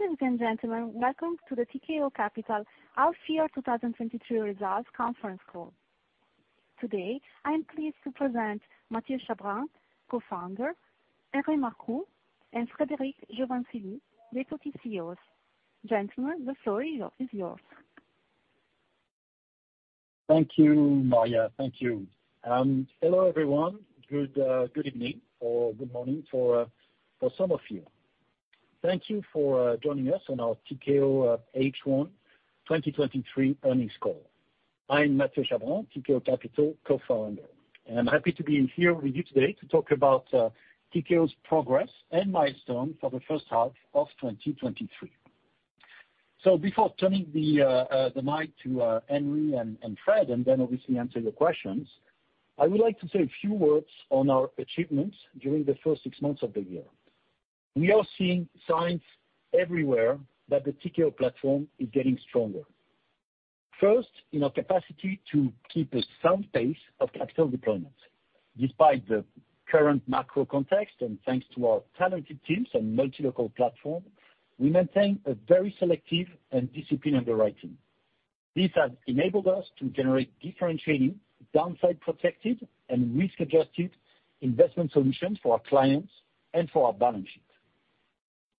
Ladies and gentlemen, welcome to the Tikehau Capital, our FY 2023 results conference call. Today, I am pleased to present Mathieu Chabran, Co-founder, Henri Marcoux, and Frédéric Giovansili, the Deputy CEOs. Gentlemen, the floor is yours. Thank you, Maria. Thank you. Hello, everyone. Good evening or good morning for some of you. Thank you for joining us on our Tikehau H1 2023 earnings call. I'm Mathieu Chabran, Tikehau Capital co-founder, and I'm happy to be in here with you today to talk about Tikehau's progress and milestone for the first half of 2023. Before turning the mic to Henri and Fréd, and then obviously answer your questions, I would like to say a few words on our achievements during the first six months of the year. We are seeing signs everywhere that the Tikehau platform is getting stronger. First, in our capacity to keep a sound pace of capital deployment. Despite the current macro context, and thanks to our talented teams and multi-local platform, we maintain a very selective and disciplined underwriting. This has enabled us to generate differentiating downside protected and risk-adjusted investment solutions for our clients and for our balance sheet.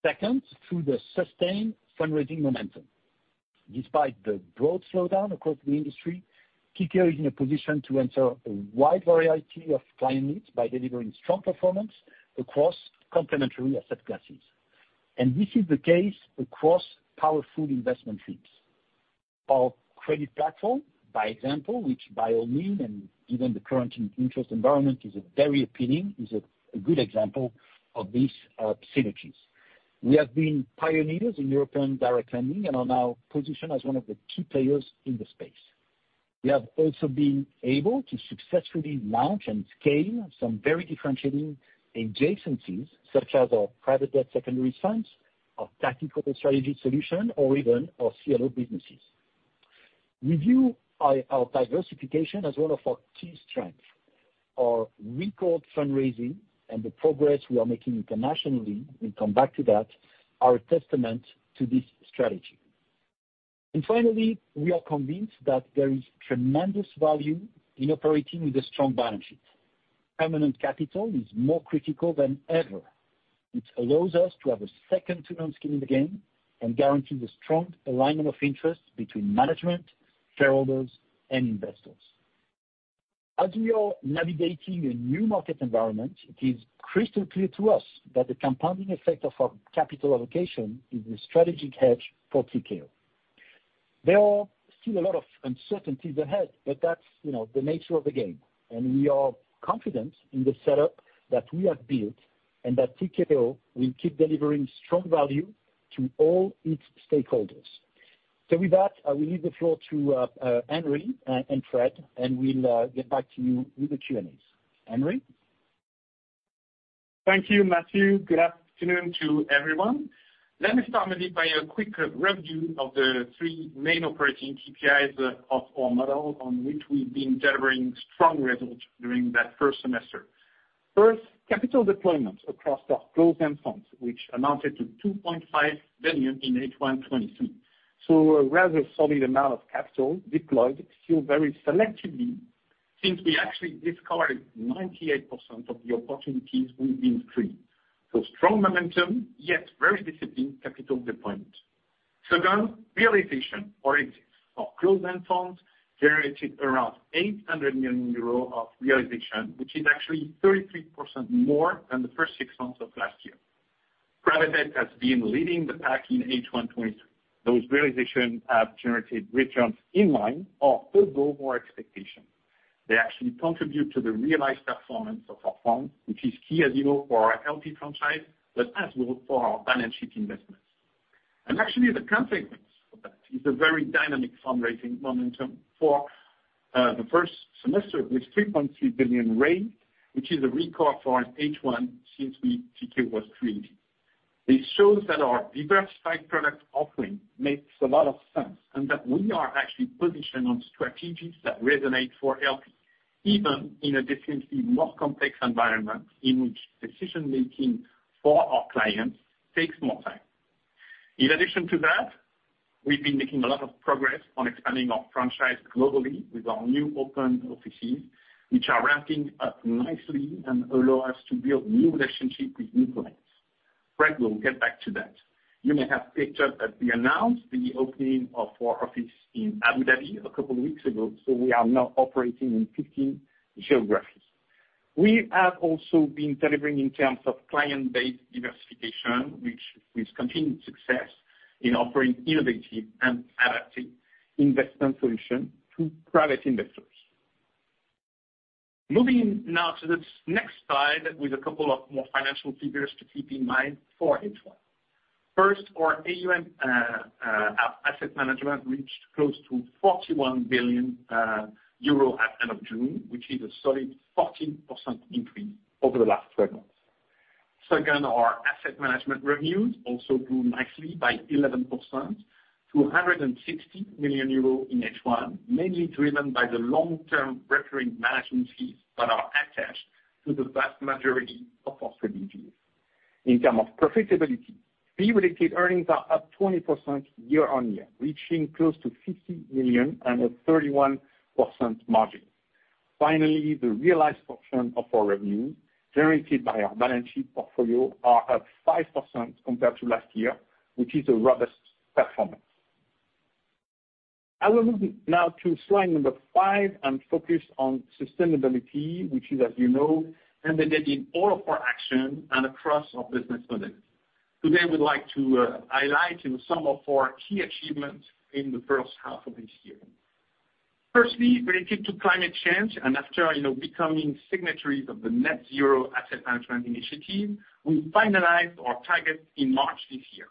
Second, through the sustained fundraising momentum. Despite the broad slowdown across the industry, Tikehau is in a position to answer a wide variety of client needs by delivering strong performance across complementary asset classes. This is the case across powerful investment teams. Our credit platform, by example, which by all means, and given the current interest environment, is a very appealing, good example of these synergies. We have been pioneers in European direct lending and are now positioned as one of the key players in the space. We have also been able to successfully launch and scale some very differentiating adjacencies, such as our private debt secondary funds, our tactical strategy solution, or even our CLO businesses. We view our diversification as one of our key strengths. Our record fundraising and the progress we are making internationally, we'll come back to that, are a testament to this strategy. Finally, we are convinced that there is tremendous value in operating with a strong balance sheet. Permanent capital is more critical than ever. It allows us to have a second to own skin in the game and guarantee the strong alignment of interests between management, shareholders, and investors. As we are navigating a new market environment, it is crystal clear to us that the compounding effect of our capital allocation is a strategic edge for Tikehau. There are still a lot of uncertainties ahead, that's, you know, the nature of the game, and we are confident in the setup that we have built, and that Tikehau will keep delivering strong value to all its stakeholders. With that, I will leave the floor to Henri and Fréd, and we'll get back to you with the Q&As. Henri? Thank you, Mathieu. Good afternoon to everyone. Let me start maybe by a quick review of the three main operating KPIs of our model on which we've been delivering strong results during that first semester. First, capital deployments across our closed-end funds, which amounted to 2.5 billion in H1 2022. A rather solid amount of capital deployed still very selectively, since we actually discovered 98% of the opportunities we increased. Strong momentum, yet very disciplined capital deployment. Second, realization or exits of closed-end funds generated around 800 million euros of realization, which is actually 33% more than the first six months of last year. Private debt has been leading the pack in H1 2022. Those realization have generated returns in line or above our expectation. They actually contribute to the realized performance of our fund, which is key, as you know, for our healthy franchise, as well for our balance sheet investments. Actually, the consequence of that is a very dynamic fundraising momentum for the first semester, with 3.3 billion raised, which is a record for H1 since Tikehau was created. It shows that our diversified product offering makes a lot of sense, that we are actually positioned on strategies that resonate for healthy, even in a distinctly more complex environment, in which decision making for our clients takes more time. In addition to that, we've been making a lot of progress on expanding our franchise globally with our new open offices, which are ramping up nicely and allow us to build new relationships with new clients. Fréd will get back to that. You may have picked up that we announced the opening of our office in Abu Dhabi a couple of weeks ago. We are now operating in 15 geographies. We have also been delivering in terms of client-based diversification, which is continued success in offering innovative and adaptive investment solutions to private investors. Moving now to this next slide with a couple of more financial figures to keep in mind for H1. First, our AUM, our asset management reached close to 41 billion euro at end of June, which is a solid 14% increase over the last 12 months. Second, our asset management revenues also grew nicely by 11% to 160 million euros in H1, mainly driven by the long-term recurring management fees that are attached to the vast majority of our strategies. In term of profitability, fee-related earnings are up 20% year-on-year, reaching close to 50 million and a 31% margin. The realized portion of our revenue generated by our balance sheet portfolio are up 5% compared to last year, which is a robust performance. I will move now to slide five and focus on sustainability, which is, as you know, embedded in all of our action and across our business model. Today, I would like to highlight some of our key achievements in the first half of this year. Firstly, related to climate change, after, you know, becoming signatories of the Net Zero Asset Managers initiative, we finalized our target in March 2023,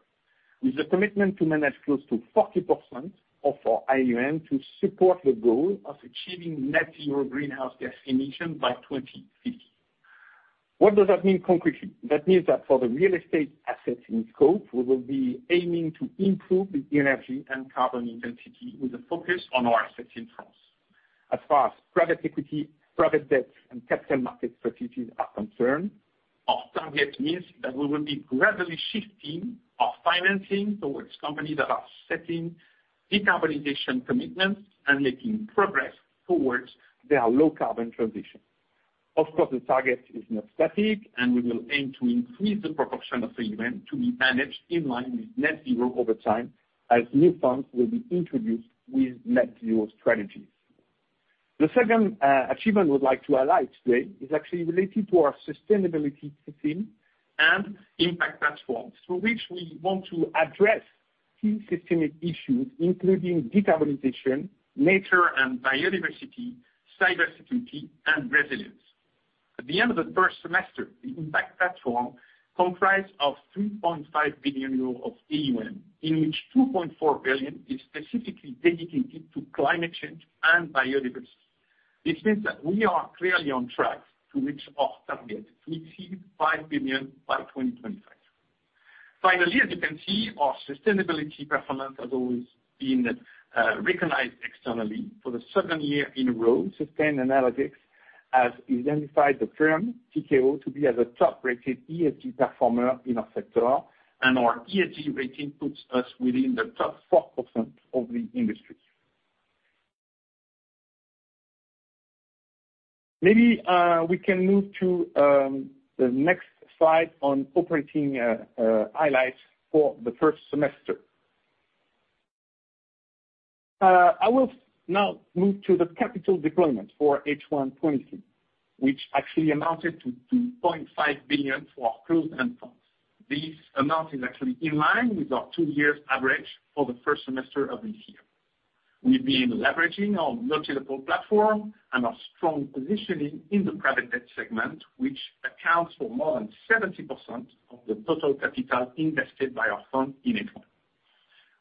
with a commitment to manage close to 40% of our AUM to support the goal of achieving net zero greenhouse gas emission by 2050. What does that mean concretely? That means that for the real estate assets in scope, we will be aiming to improve the energy and carbon intensity with a focus on our assets in France. As far as private equity, private debt, and capital market strategies are concerned, our target means that we will be gradually shifting our financing towards companies that are setting decarbonization commitments and making progress towards their low carbon transition. Of course, the target is not static, and we will aim to increase the proportion of the event to be managed in line with net zero over time, as new funds will be introduced with net zero strategies. The second achievement I would like to highlight today is actually related to our sustainability system and impact platform, through which we want to address key systemic issues, including decarbonization, nature and biodiversity, cybersecurity, and resilience. At the end of the first semester, the impact platform comprised of 3.5 billion euros of AUM, in which 2.4 billion is specifically dedicated to climate change and biodiversity. This means that we are clearly on track to reach our target to see 5 billion by 2025. Finally, as you can see, our sustainability performance has always been recognized externally. For the second year in a row, Sustainalytics has identified the firm, TKO, to be as a top-rated ESG performer in our sector, and our ESG rating puts us within the top 4% of the industry. Maybe we can move to the next slide on operating highlights for the first semester. I will now move to the capital deployment for H1 2023, which actually amounted to 2.5 billion for our closed-end funds. This amount is actually in line with our two years average for the first semester of this year. We've been leveraging our multiple platform and our strong positioning in the private debt segment, which accounts for more than 70% of the total capital invested by our fund in H1.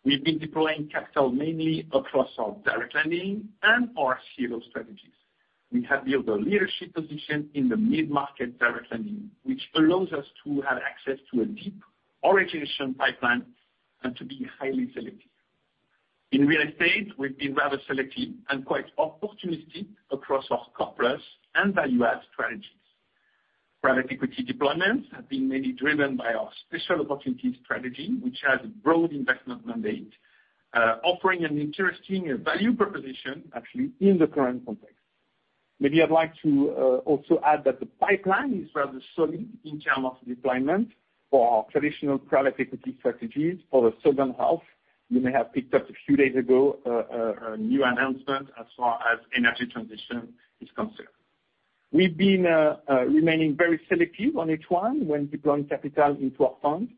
We've been deploying capital mainly across our direct lending and our CLO strategies. We have built a leadership position in the mid-market direct lending, which allows us to have access to a deep origination pipeline and to be highly selective. In real estate, we've been rather selective and quite opportunistic across our core plus and value add strategies. Private equity deployments have been mainly driven by our special opportunity strategy, which has a broad investment mandate, offering an interesting value proposition actually in the current context. Maybe I'd like to also add that the pipeline is rather solid in term of deployment for our traditional private equity strategies. For the second half, you may have picked up a few days ago, a new announcement as far as energy transition is concerned. We've been remaining very selective on each one when deploying capital into our fund.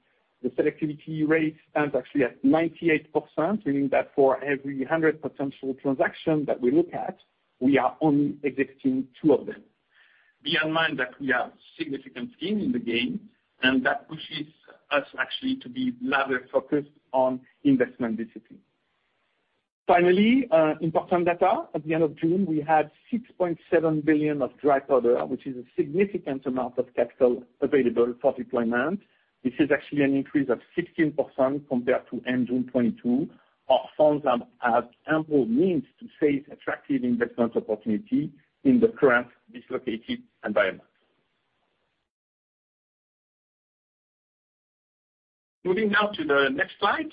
The selectivity rate stands actually at 98%, meaning that for every 100 potential transaction that we look at, we are only executing two of them. Bear in mind that we are significant skin in the game, that pushes us actually to be rather focused on investment discipline. Finally, important data. At the end of June, we had 6.7 billion of dry powder, which is a significant amount of capital available for deployment. This is actually an increase of 16% compared to end June 2022. Our funds have ample means to face attractive investment opportunity in the current dislocated environment. Moving now to the next slide,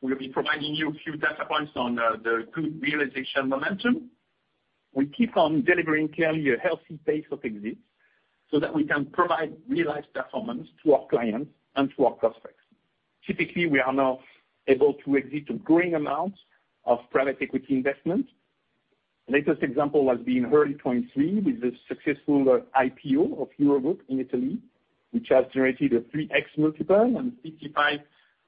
we'll be providing you a few data points on the good realization momentum. We keep on delivering clearly a healthy pace of exits so that we can provide realized performance to our clients and to our prospects. Typically, we are now able to exit a growing amount of private equity investment. Latest example has been early 2023, with the successful IPO of EuroGroup in Italy, which has generated a 3x multiple and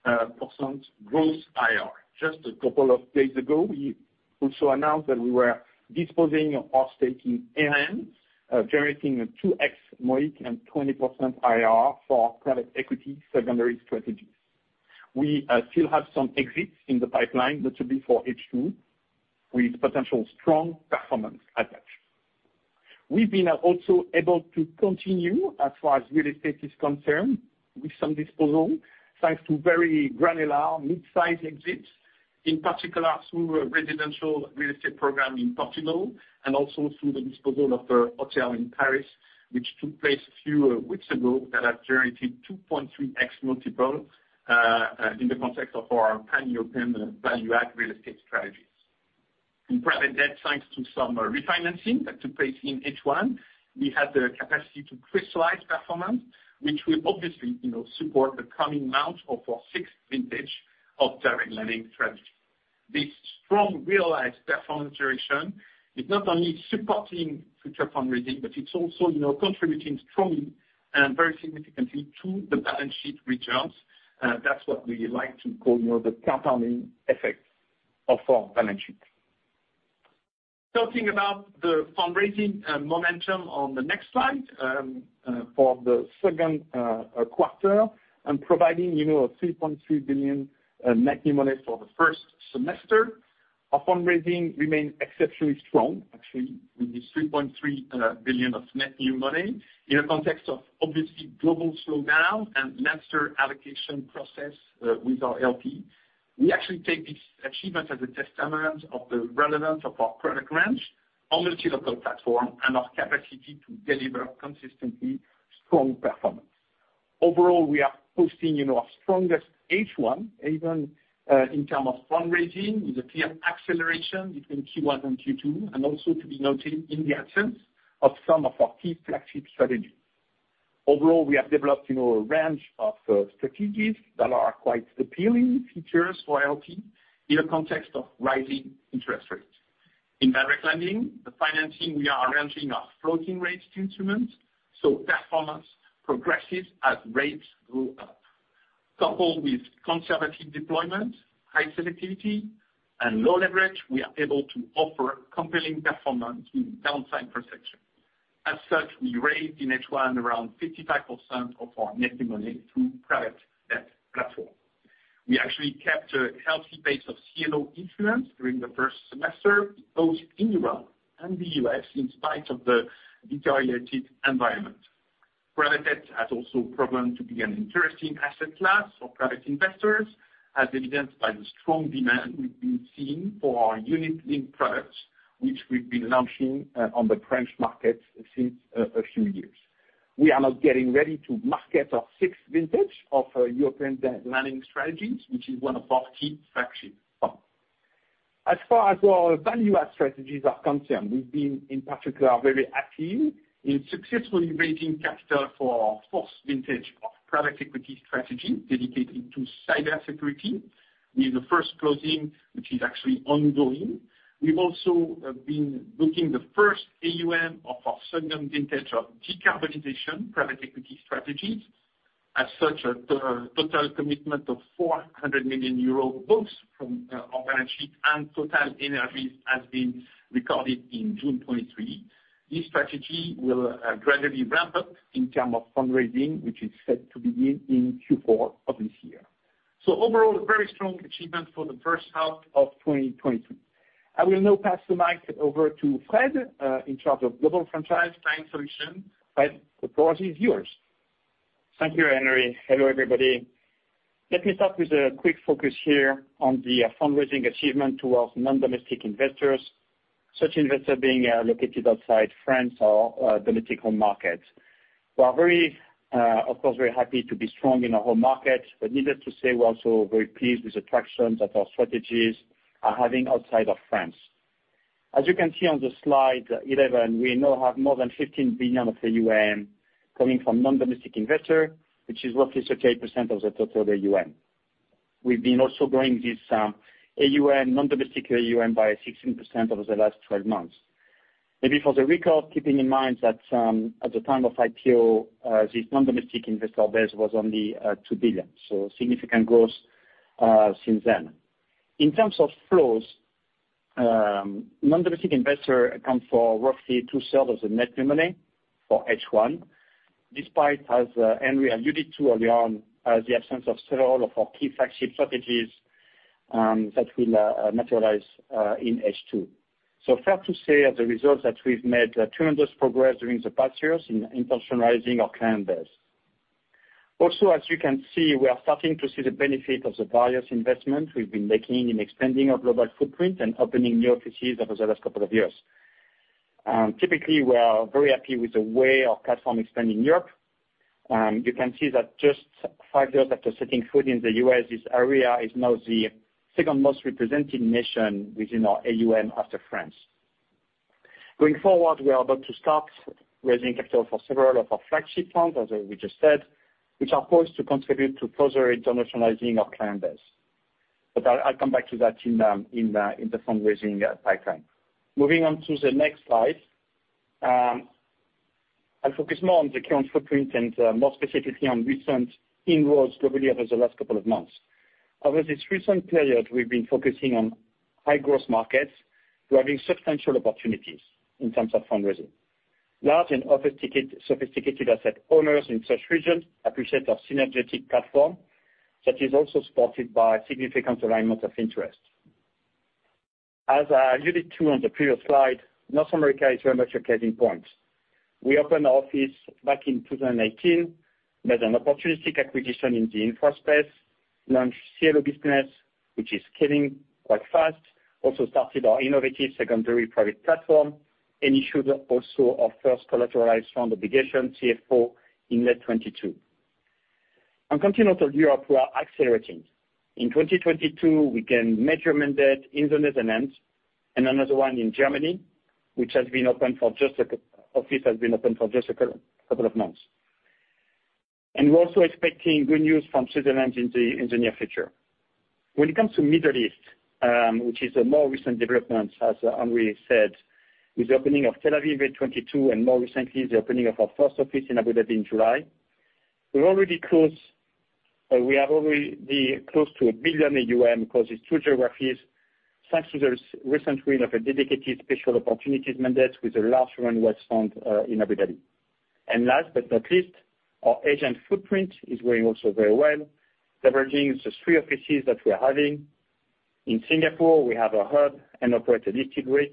55% gross IR. Just a couple of days ago, we also announced that we were disposing our stake in AM, generating a 2x MOIC and 20% IR for private equity secondary strategies. We still have some exits in the pipeline that should be for H2, with potential strong performance attached. We've been also able to continue, as far as real estate is concerned, with some disposal, thanks to very granular mid-size exits. In particular, through a residential real estate program in Portugal, and also through the disposal of the hotel in Paris, which took place a few weeks ago that has generated 2.3x multiple in the context of our pan-European value-add real estate strategies. In private debt, thanks to some refinancing that took place in H1, we had the capacity to crystallize performance, which will obviously, you know, support the coming months of our sixth vintage of direct lending strategy. This strong realized performance direction is not only supporting future fundraising, but it's also, you know, contributing strongly and very significantly to the balance sheet returns. That's what we like to call, you know, the compounding effect of our balance sheet. Talking about the fundraising momentum on the next slide, for the second quarter, providing, you know, a 3.3 billion net new money for the first semester. Our fundraising remained exceptionally strong, actually, with the 3.3 billion of net new money in a context of obviously global slowdown and master allocation process with our LP. We actually take this achievement as a testament of the relevance of our product range, our multi-local platform, and our capacity to deliver consistently strong performance. Overall, we are posting, you know, our strongest H1, even in term of fundraising, with a clear acceleration between Q1 and Q2. Also to be noted in the absence of some of our key flagship strategies. Overall, we have developed, you know, a range of strategies that are quite appealing features for LP in a context of rising interest rates. In direct lending, the financing, we are arranging our floating rates instruments, so performance progresses as rates go up. Coupled with conservative deployment, high selectivity, and low leverage, we are able to offer compelling performance in downside protection. As such, we raised in H1 around 55% of our net new money through private debt platform. We actually kept a healthy pace of CLO issuance during the first semester, both in Europe and the U.S., in spite of the deteriorated environment. Private debt has also proven to be an interesting asset class for private investors, as evidenced by the strong demand we've been seeing for our unit-linked products, which we've been launching on the French market since a few years. We are now getting ready to market our sixth vintage of European direct lending strategies, which is one of our key flagship funds. As far as our value add strategies are concerned, we've been, in particular, very active in successfully raising capital for our fourth vintage of private equity strategy dedicated to cybersecurity, with the first closing, which is actually ongoing. We've also been booking the first AUM of our second vintage of decarbonization private equity strategies. As such, a total commitment of 400 million euro, both from our balance sheet and TotalEnergies, has been recorded in June 2023. This strategy will gradually ramp up in term of fundraising, which is set to begin in Q4 of this year. Overall, a very strong achievement for the first half of 2023. I will now pass the mic over to Fréd, in charge of global franchise client solution. Fréd, the floor is yours. Thank you, Henri. Hello, everybody. Let me start with a quick focus here on the fundraising achievement towards non-domestic investors, such investor being located outside France or domestic home markets. We are very, of course, very happy to be strong in our home market, but needless to say, we're also very pleased with the traction that our strategies are having outside of France. As you can see on slide 11, we now have more than 15 billion of AUM coming from non-domestic investor, which is roughly 38% of the total AUM. We've been also growing this AUM, non-domestic AUM, by 16% over the last 12 months. Maybe for the record, keeping in mind that at the time of IPO, this non-domestic investor base was only 2 billion, so significant growth since then. In terms of flows, non-domestic investor account for roughly 2/3 of the net new money for H1, despite, as Henri alluded to early on, the absence of several of our key flagship strategies that will materialize in H2. Fair to say as a result, that we've made tremendous progress during the past years in internationalizing our client base. Also, as you can see, we are starting to see the benefit of the various investments we've been making in extending our global footprint and opening new offices over the last couple of years. Typically, we are very happy with the way our platform expanded in Europe. You can see that just five years after setting foot in the U.S., this area is now the second most represented nation within our AUM after France. Going forward, we are about to start raising capital for several of our flagship funds, as we just said, which are poised to contribute to further internationalizing our client base. I'll come back to that in the fundraising pipeline. Moving on to the next slide, I'll focus more on the current footprint and more specifically on recent inroads globally over the last couple of months. Over this recent period, we've been focusing on high growth markets, driving substantial opportunities in terms of fundraising. Large and sophisticated asset owners in such regions appreciate our synergetic platform that is also supported by significant alignment of interest. As I alluded to on the previous slide, North America is very much a casing point. We opened our office back in 2018, made an opportunistic acquisition in the infrastructure space, launched CLO business, which is scaling quite fast. Started our innovative secondary private platform, and issued also our first Collateralized Loan Obligation, CLO, in mid 2022. On continental Europe, we are accelerating. In 2022, we gained measurement debt in the Netherlands and another one in Germany, which has been open for just a couple of months. We're also expecting good news from Switzerland in the near future. When it comes to Middle East, which is a more recent development, as Henri said, with the opening of Tel Aviv in 2022, more recently, the opening of our first office in Abu Dhabi in July, we're already close, we are already close to 1 billion AUM across these two geographies, thanks to the recent win of a dedicated special opportunities mandate with a large Middle East fund in Abu Dhabi. Last but not least, our Asian footprint is growing also very well, leveraging the three offices that we are having. In Singapore, we have a hub and operate a listed REIT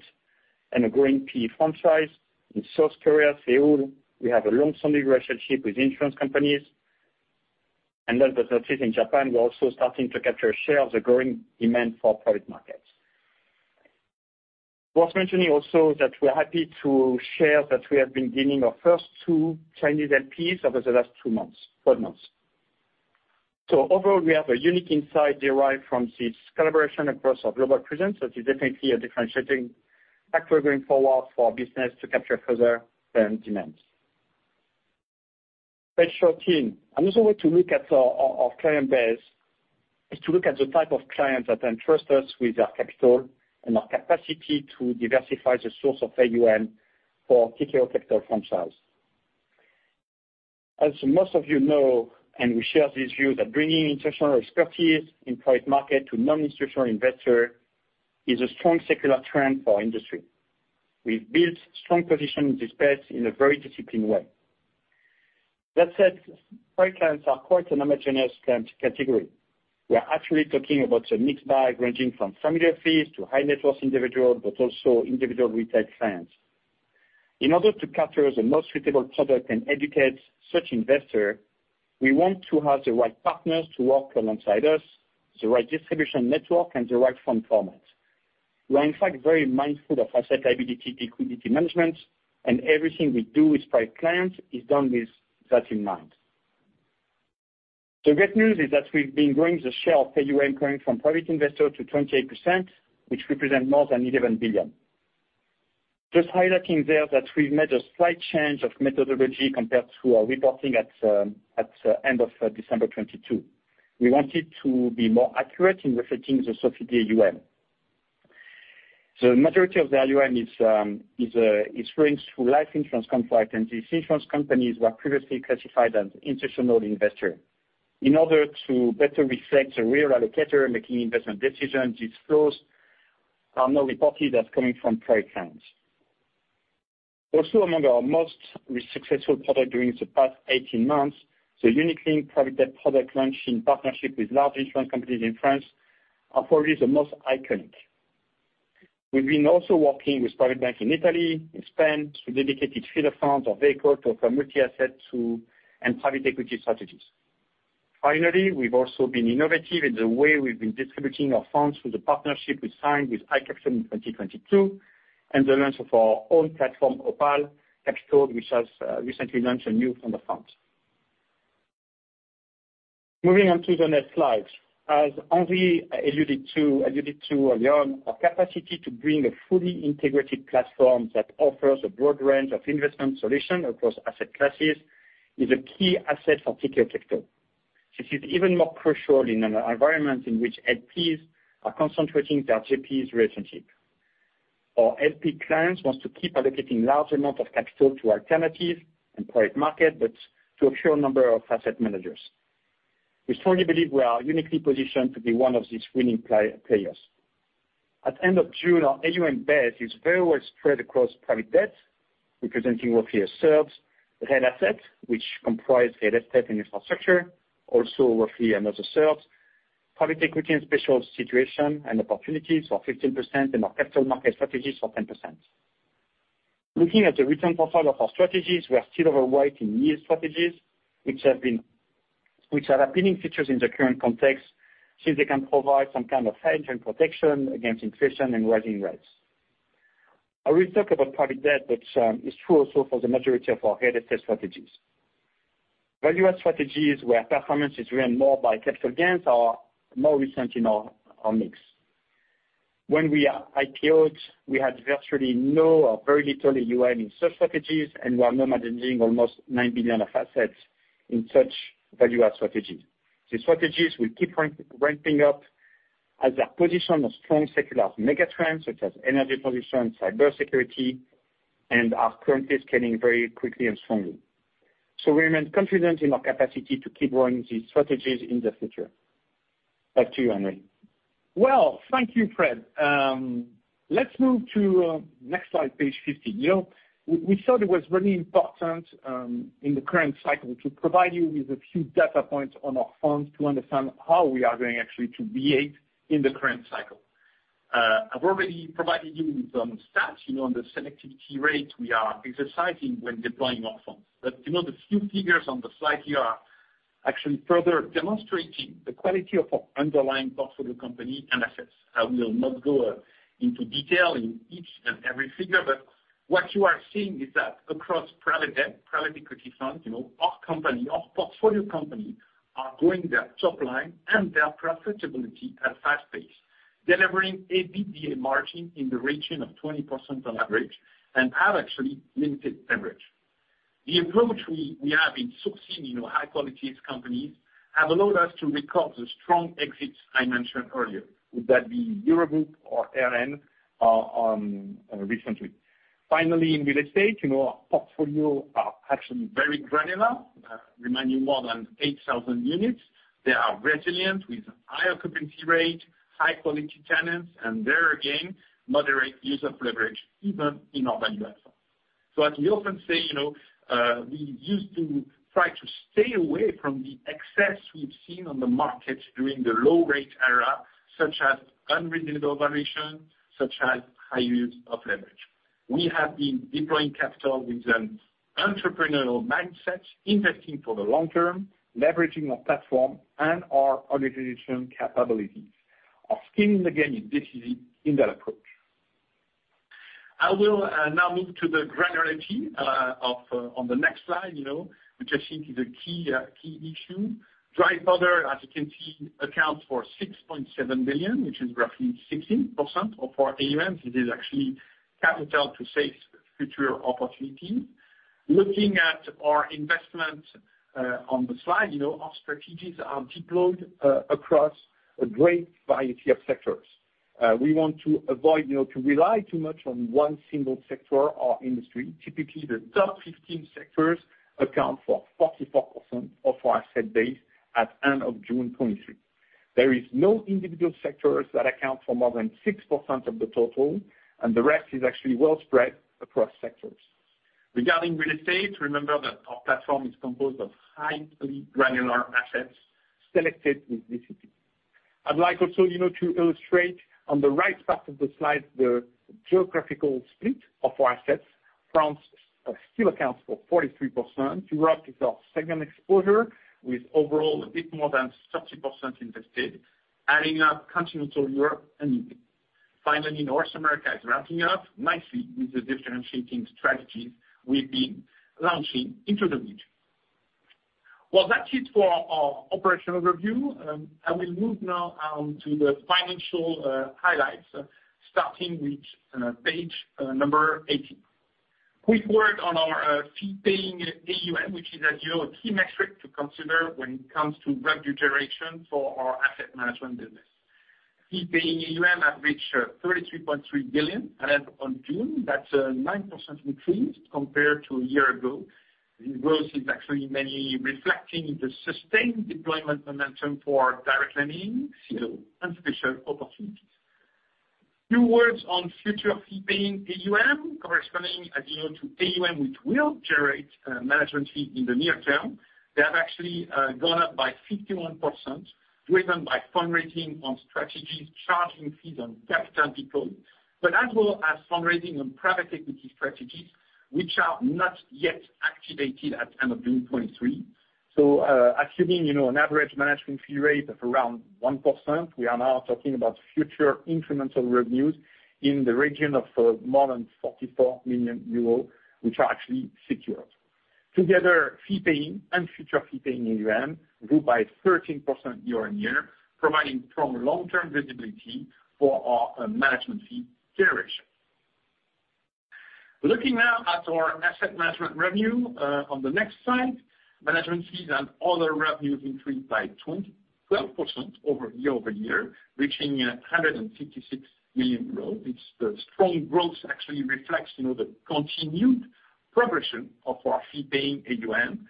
and a growing PE fund size. In South Korea, Seoul, we have a long-standing relationship with insurance companies. Last but not least, in Japan, we're also starting to capture a share of the growing demand for private markets. Worth mentioning also that we're happy to share that we have been dealing our first two Chinese LPs over the last two months, four months. Overall, we have a unique insight derived from this collaboration across our global presence, that is definitely a differentiating factor going forward for our business to capture further demand. Page 14. Another way to look at our client base is to look at the type of clients that entrust us with their capital and our capacity to diversify the source of AUM for Tikehau Capital franchise. As most of you know, and we share this view, that bringing institutional expertise in private market to non-institutional investor is a strong secular trend for our industry. We've built strong position in this space in a very disciplined way. That said, private clients are quite a homogeneous client category. We are actually talking about a mixed bag, ranging from familiar fees to high-net-worth individual, but also individual retail clients. In order to capture the most suitable product and educate such investor, we want to have the right partners to work alongside us, the right distribution network, and the right fund format. We are, in fact, very mindful of asset liability, liquidity management, and everything we do with private clients is done with that in mind. The great news is that we've been growing the share of AUM coming from private investors to 28%, which represent more than 11 billion. Just highlighting there that we've made a slight change of methodology compared to our reporting at end of December 2022. We wanted to be more accurate in reflecting the scope of the AUM. The majority of the AUM is going through life insurance contract, and these insurance companies were previously classified as institutional investor. In order to better reflect the real allocator making investment decisions, these flows are now reported as coming from private clients. Among our most successful product during the past 18 months, the unit-linked private debt product launch in partnership with large insurance companies in France are probably the most iconic. We've been also working with private bank in Italy, in Spain, through dedicated feeder funds or vehicle to offer multi-asset and private equity strategies. We've also been innovative in the way we've been distributing our funds through the partnership we signed with iCapital in 2022, and the launch of our own platform, Opale Capital, which has recently launched a new fund of funds. Moving on to the next slide. As Henri alluded to earlier, our capacity to bring a fully integrated platform that offers a broad range of investment solutions across asset classes is a key asset for Tikehau Capital. This is even more crucial in an environment in which LPs are concentrating their GPs relationship. Our LP clients wants to keep allocating large amount of capital to alternative and private market, but to a pure number of asset managers. We strongly believe we are uniquely positioned to be one of these winning players. At the end of June, our AUM base is very well spread across private debt, representing roughly a third; real assets, which comprise real estate and infrastructure, also roughly another third; private equity and special situation and opportunities for 15%; and our capital market strategies for 10%. Looking at the return profile of our strategies, we are still overweight in yield strategies, which are appealing features in the current context, since they can provide some kind of hedge and protection against inflation and rising rates. I will talk about private debt, but it's true also for the majority of our dedicated strategies. Value add strategies, where performance is driven more by capital gains, are more recent in our mix. When we IPO'd, we had virtually no or very little AUM in such strategies, and we are now managing almost 9 billion of assets in such value add strategies. These strategies will keep ramping up as a position of strong secular megatrends, such as energy transition, cybersecurity, and are currently scaling very quickly and strongly. We remain confident in our capacity to keep growing these strategies in the future. Back to you, Henri. Well, thank you, Fréd. Let's move to next slide, page 15. You know, we thought it was really important in the current cycle to provide you with a few data points on our funds to understand how we are going actually to behave in the current cycle. I've already provided you with some stats, you know, on the selectivity rate we are exercising when deploying our funds. You know, the few figures on the slide here are actually further demonstrating the quality of our underlying portfolio company and assets. I will not go into detail in each and every figure, but what you are seeing is that across private debt, private equity funds, you know, our company, our portfolio company are growing their top line and their profitability at a fast pace, delivering a EBITDA margin in the region of 20% on average and have actually limited leverage. The approach we have in sourcing, you know, high quality companies, have allowed us to record the strong exits I mentioned earlier, would that be EuroGroup or LN on recently. Finally, in real estate, you know, our portfolio are actually very granular, remind you more than 8,000 units. They are resilient with high occupancy rate, high quality tenants, and there again, moderate use of leverage, even in our value add fund. As we often say, you know, we used to try to stay away from the excess we've seen on the markets during the low rate era, such as unreasonable valuation, such as high use of leverage. We have been deploying capital with an entrepreneurial mindset, investing for the long term, leveraging our platform and our organization capabilities. Our skin in the game is decisive in that approach. I will now move to the granularity of, on the next slide, you know, which I think is a key issue. Dry powder, as you can see, accounts for 6.7 billion, which is roughly 16% of our AUM. This is actually capital to safe future opportunity. Looking at our investment on the slide, you know, our strategies are deployed across a great variety of sectors. We want to avoid, you know, to rely too much on one single sector or industry. Typically, the top 15 sectors account for 44% of our asset base at end of June 2023. There is no individual sectors that account for more than 6% of the total. The rest is actually well spread across sectors. Regarding real estate, remember that our platform is composed of highly granular assets selected with discipline. I'd like also, you know, to illustrate on the right part of the slide, the geographical split of our assets. France still accounts for 43%. Europe is our second exposure, with overall a bit more than 30% invested, adding up Continental Europe and U.K. North America is ramping up nicely with the differentiating strategies we've been launching into the region. Well, that's it for our operational review. I will move now to the financial highlights, starting with page number 18. Quick word on our fee-paying AUM, which is as you know, a key metric to consider when it comes to revenue generation for our asset management business. Fee-paying AUM have reached 33.3 billion as of June. That's a 9% increase compared to a year ago. The growth is actually mainly reflecting the sustained deployment momentum for direct lending, CLO, and special opportunities. New words on future fee paying AUM, corresponding as you know, to AUM, which will generate management fee in the near term. They have actually gone up by 51%, driven by fundraising on strategies, charging fees on capital deployed, but as well as fundraising on private equity strategies, which are not yet activated at end of June 2023. Assuming, you know, an average management fee rate of around 1%, we are now talking about future incremental revenues in the region of more than 44 million euros, which are actually secured. Together, fee paying and future fee paying AUM, grew by 13% year-on-year, providing strong long-term visibility for our management fee generation. Looking now at our asset management revenue on the next slide. Management fees and other revenues increased by 12% year-over-year, reaching 156 million euros. It's the strong growth actually reflects, you know, the continued progression of our fee-paying AUM.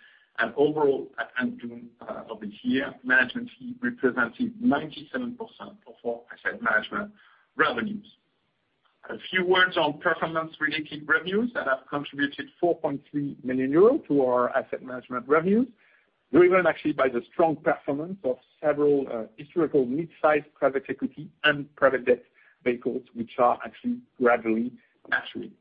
Overall, at end June of this year, management fee represented 97% of our asset management revenues. A few words on performance-related revenues that have contributed 4.3 million euros to our asset management revenues, driven actually by the strong performance of several historical mid-sized private equity and private debt vehicles, which are actually gradually maturing.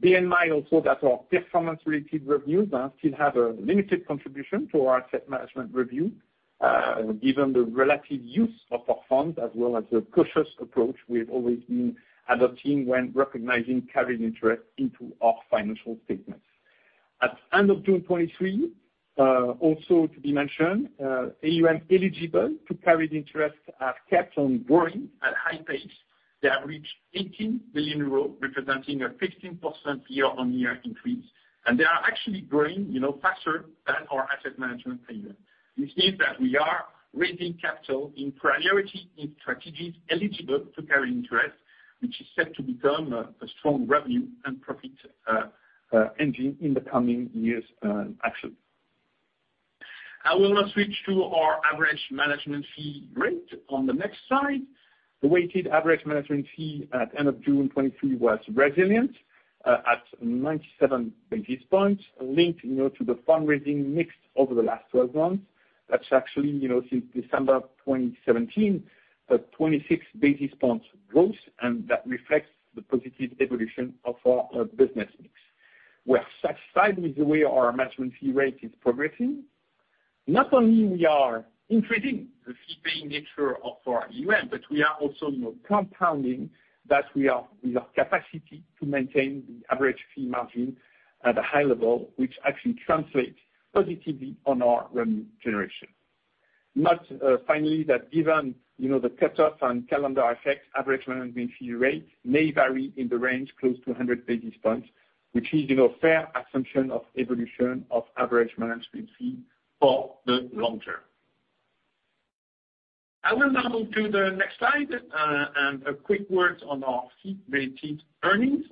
Bear in mind also that our performance-related revenues still have a limited contribution to our asset management review, given the relative use of our funds, as well as the cautious approach we've always been adopting when recognizing carried interest into our financial statements. At end of June 2023, also to be mentioned, AUM eligible to carried interest have kept on growing at high pace. They have reached 18 billion euros, representing a 15% year-on-year increase. They are actually growing, you know, faster than our asset management AUM, which means that we are raising capital in priority in strategies eligible to carried interest, which is set to become a strong revenue and profit engine in the coming years, actually. I will now switch to our average management fee rate on the next slide. The weighted average management fee at end of June 2023 was resilient at 97 basis points, linked, you know, to the fundraising mix over the last 12 months. That's actually, you know, since December of 2017, a 26 basis points growth. That reflects the positive evolution of our business mix. We are satisfied with the way our management fee rate is progressing. Not only we are increasing the fee-paying nature of our AUM, we are also, you know, compounding that we have capacity to maintain the average fee margin at a high level, which actually translates positively on our revenue generation. Note, finally, that given, you know, the cutoff and calendar effect, average management fee rate may vary in the range close to 100 basis points, which is, you know, fair assumption of evolution of average management fee for the long term. I will now move to the next slide. A quick word on our fee-related earnings.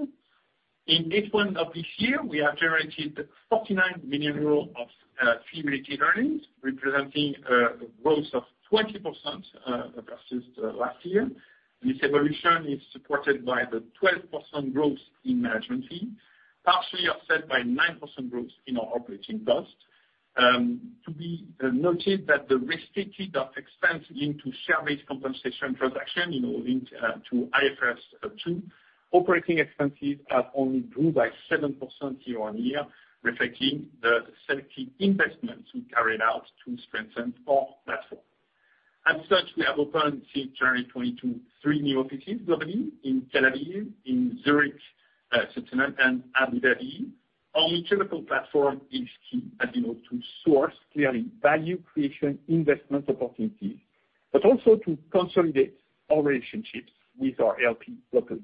In eight months of this year, we have generated 49 million euros of fee-related earnings, representing a growth of 20% versus last year. This evolution is supported by the 12% growth in management fee, partially offset by 9% growth in our operating cost. To be noted that the restated of expense into share-based compensation transaction, you know, linked to IFRS 2, operating expenses have only grown by 7% year-on-year, reflecting the selective investments we carried out to strengthen our platform. As such, we have opened since January 2022, three new offices globally in Tel Aviv, in Zurich, Switzerland, and Abu Dhabi. Our multiple platform is key, as you know, to source clearly value creation investment opportunities, but also to consolidate our relationships with our LP locals.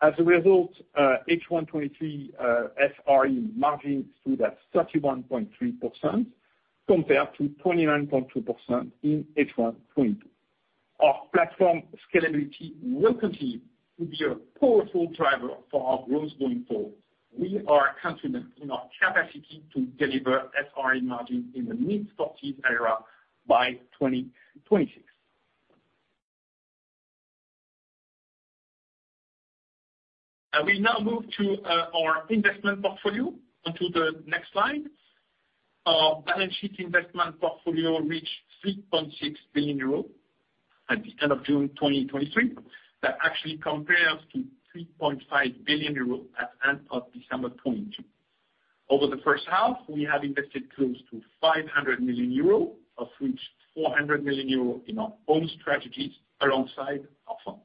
As a result, H1 2023 FRE margin stood at 31.3% compared to 29.2% in H1 2022. Our platform scalability will continue to be a powerful driver for our growth going forward. We are confident in our capacity to deliver FRE margin in the mid-40s area by 2026. I will now move to our investment portfolio, onto the next slide. Our balance sheet investment portfolio reached 3.6 billion euros at the end of June 2023. That actually compares to 3.5 billion euros at end of December 2022. Over the first half, we have invested close to 500 million euros, of which 400 million euros in our own strategies alongside our funds.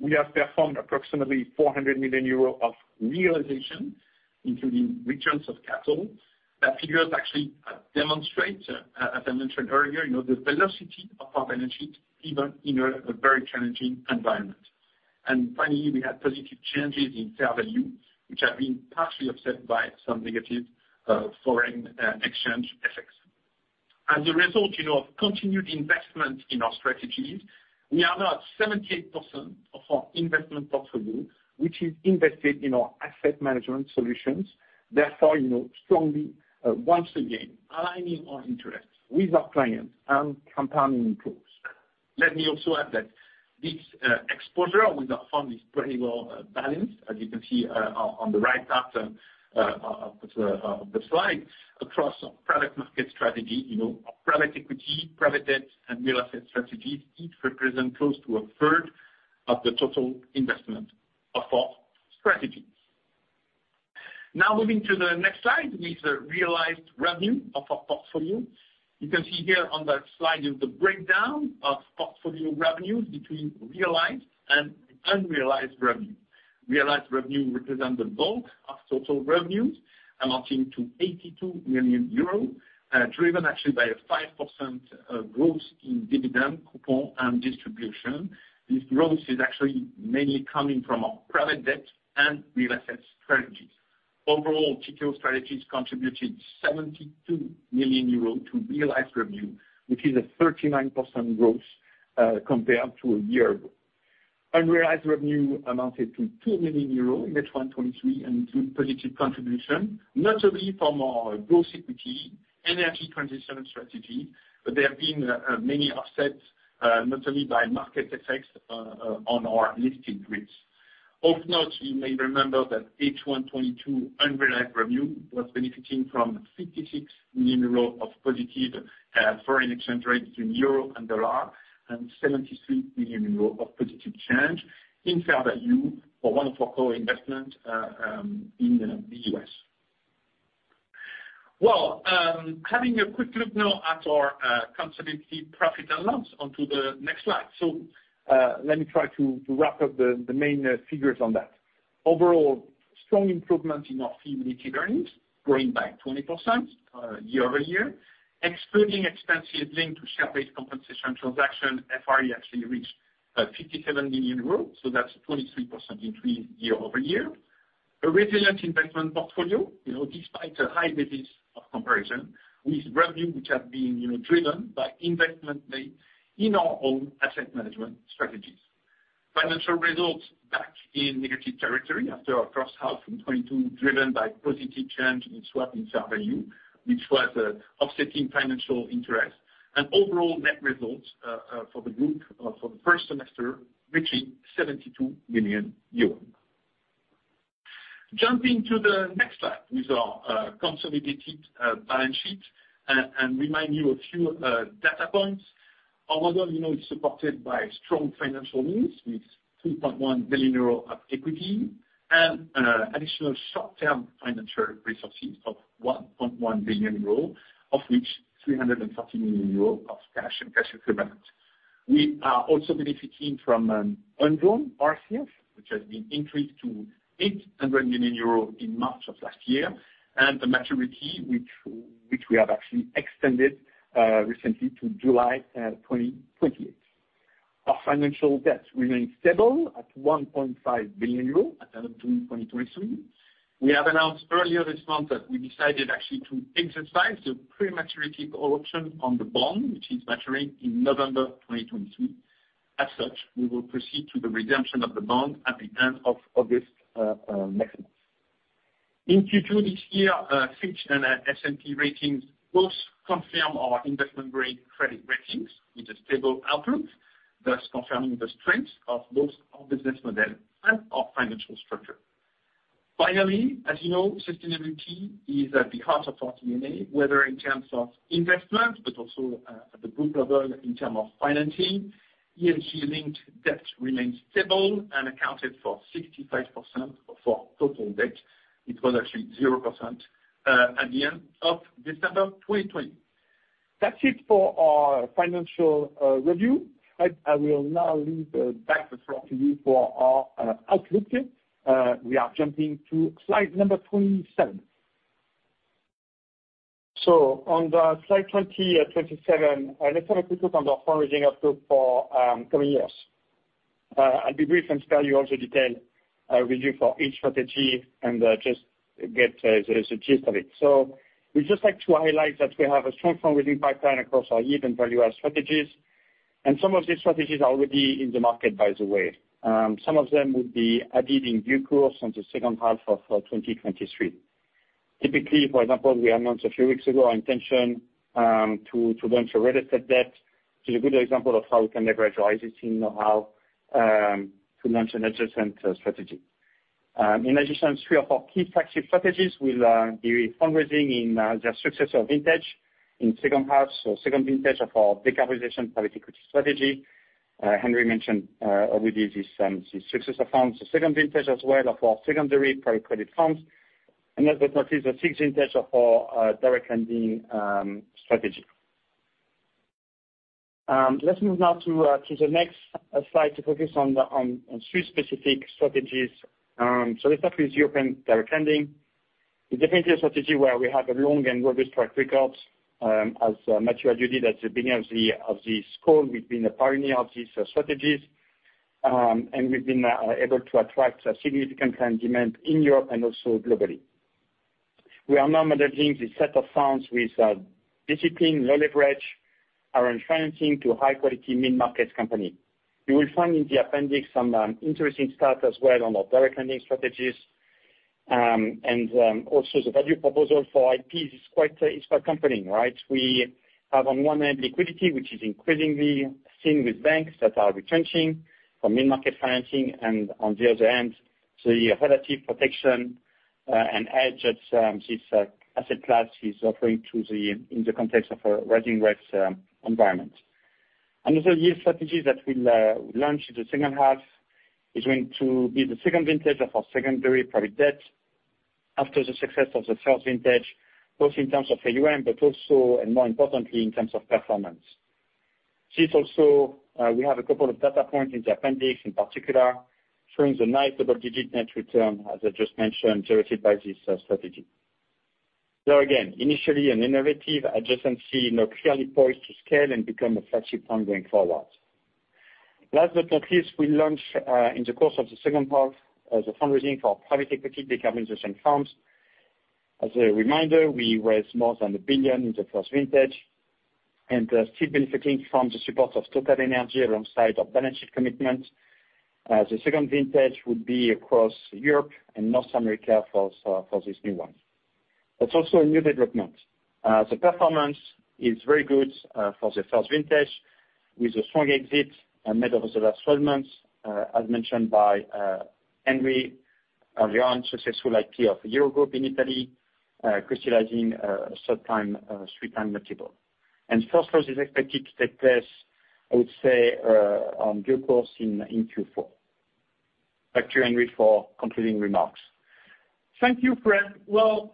We have performed approximately 400 million euros of realization, including returns of capital. That figures actually demonstrate, as I mentioned earlier, you know, the velocity of our balance sheet, even in a very challenging environment. Finally, we had positive changes in fair value, which have been partially offset by some negative foreign exchange effects. As a result, you know, of continued investment in our strategies, we are now at 78% of our investment portfolio, which is invested in our asset management solutions, therefore, you know, strongly, once again, aligning our interests with our clients and compounding improves. Let me also add that this exposure with our fund is pretty well balanced, as you can see on the right part of the slide, across our product market strategy, you know, our private equity, private debt, and real asset strategies each represent close to a third of the total investment of our strategies. Moving to the next slide with the realized revenue of our portfolio. You can see here on that slide is the breakdown of portfolio revenue between realized and unrealized revenue. Realized revenue represent the bulk of total revenues, amounting to 82 million euros, driven actually by a 5% growth in dividend coupon and distribution. This growth is actually mainly coming from our private debt and real asset strategies. Overall, Tikehau strategies contributed 72 million euros to realized revenue, which is a 39% growth compared to a year ago. Unrealized revenue amounted to 2 million euros in H1 2023, through positive contribution, not only from our growth equity, energy transition strategy, but there have been many offsets, not only by market effects on our listed REITs. Of note, you may remember that H1 2022 unrealized revenue was benefiting from 56 million euros of positive foreign exchange rates in euro and EUR 73 million of positive change in fair value for one of our core investment in the U.S. Having a quick look now at our consolidated profit and loss onto the next slide. Let me try to wrap up the main figures on that. Overall, strong improvement in our fee-related earnings, growing by 20% year-over-year. Excluding expenses linked to share-based compensation transaction, FRE actually reached 57 million euros, that's 23% increase year-over-year. A resilient investment portfolio, you know, despite a high basis of comparison with revenue, which has been, you know, driven by investment made in our own asset management strategies. Financial results back in negative territory after our first half in 2022, driven by positive change in swap in fair value, which was offsetting financial interest and overall net results for the group for the first semester, reaching 72 million euros. Jumping to the next slide with our consolidated balance sheet, remind you a few data points. You know, it's supported by strong financial needs with 3.1 billion euro of equity and additional short-term financial resources of 1.1 billion euros, of which 330 million euros of cash and cash equivalents. We are also benefiting from undrawn RCF, which has been increased to 800 million euros in March of last year, and the maturity, which we have actually extended recently to July 2028. Our financial debt remains stable at 1.5 billion euros at the end of 2023. We have announced earlier this month that we decided actually to exercise the prematurity option on the bond, which is maturing in November 2022. We will proceed to the redemption of the bond at the end of August next month. In Q2 this year, Fitch and S&P ratings both confirm our investment-grade credit ratings with a stable outlook, thus confirming the strength of both our business model and our financial structure. Finally, as you know, sustainability is at the heart of our DNA, whether in terms of investment, but also at the group level in term of financing. ESG-linked debt remains stable and accounted for 65% of our total debt. It was actually 0% at the end of December 2020. That's it for our financial review. I will now leave back the floor to you for our outlook. We are jumping to slide number 27. On the slide 27, I'd like to quickly talk on the fundraising outlook for coming years. I'll be brief and spare you all the detail review for each strategy and just get the gist of it. We'd just like to highlight that we have a strong fundraising pipeline across our yield and value add strategies. Some of these strategies are already in the market, by the way. Some of them will be added in due course on the second half of 2023. Typically, for example, we announced a few weeks ago our intention to launch a real estate debt. It's a good example of how we can leverage our existing know-how to launch an adjacent strategy. In addition, three of our key strategy will be fundraising in the success of vintage in second half, so second vintage of our decarbonization private equity strategy. Henri mentioned already this, the success of funds, the second vintage as well of our secondary private credit funds. Last but not least, the sixth vintage of our direct lending strategy. Let's move now to the next slide to focus on the three specific strategies. So let's start with European direct lending. Definitely a strategy where we have a long and well-established track record. As Mathieu alluded at the beginning of this call, we've been a pioneer of these strategies. We've been able to attract a significant client demand in Europe and also globally. We are now managing this set of funds with discipline, low leverage, around financing to high-quality mid-market company. You will find in the appendix some interesting stats as well on our direct lending strategies. Also the value proposal for IPs is quite compelling, right? We have, on one hand, liquidity, which is increasingly seen with banks that are retrenching from mid-market financing, and on the other hand, the relative protection and edge that this asset class is offering in the context of a rising rates environment. Another new strategy that we'll launch in the second half is going to be the second vintage of our secondary private debt after the success of the first vintage, both in terms of AUM, but also, and more importantly, in terms of performance. This also, we have a couple of data points in the appendix, in particular, showing the nice double-digit net return, as I just mentioned, generated by this strategy. There again, initially an innovative adjacency, now clearly poised to scale and become a flagship fund going forward. Last but not least, we launch, in the course of the second half, the fundraising for our private equity decarbonization funds. As a reminder, we raised more than a billion in the first vintage, still benefiting from the support of TotalEnergies alongside our balance sheet commitment. The second vintage would be across Europe and North America for this new one. That's also a new development. The performance is very good for the first vintage, with a strong exit made over the last 12 months. As mentioned by Henri, our successful IPO of a year ago in Italy, crystallizing a superb 3x multiple. First close is expected to take place, I would say, on due course in Q4. Back to you, Henri, for concluding remarks. Thank you, Fréd. Well,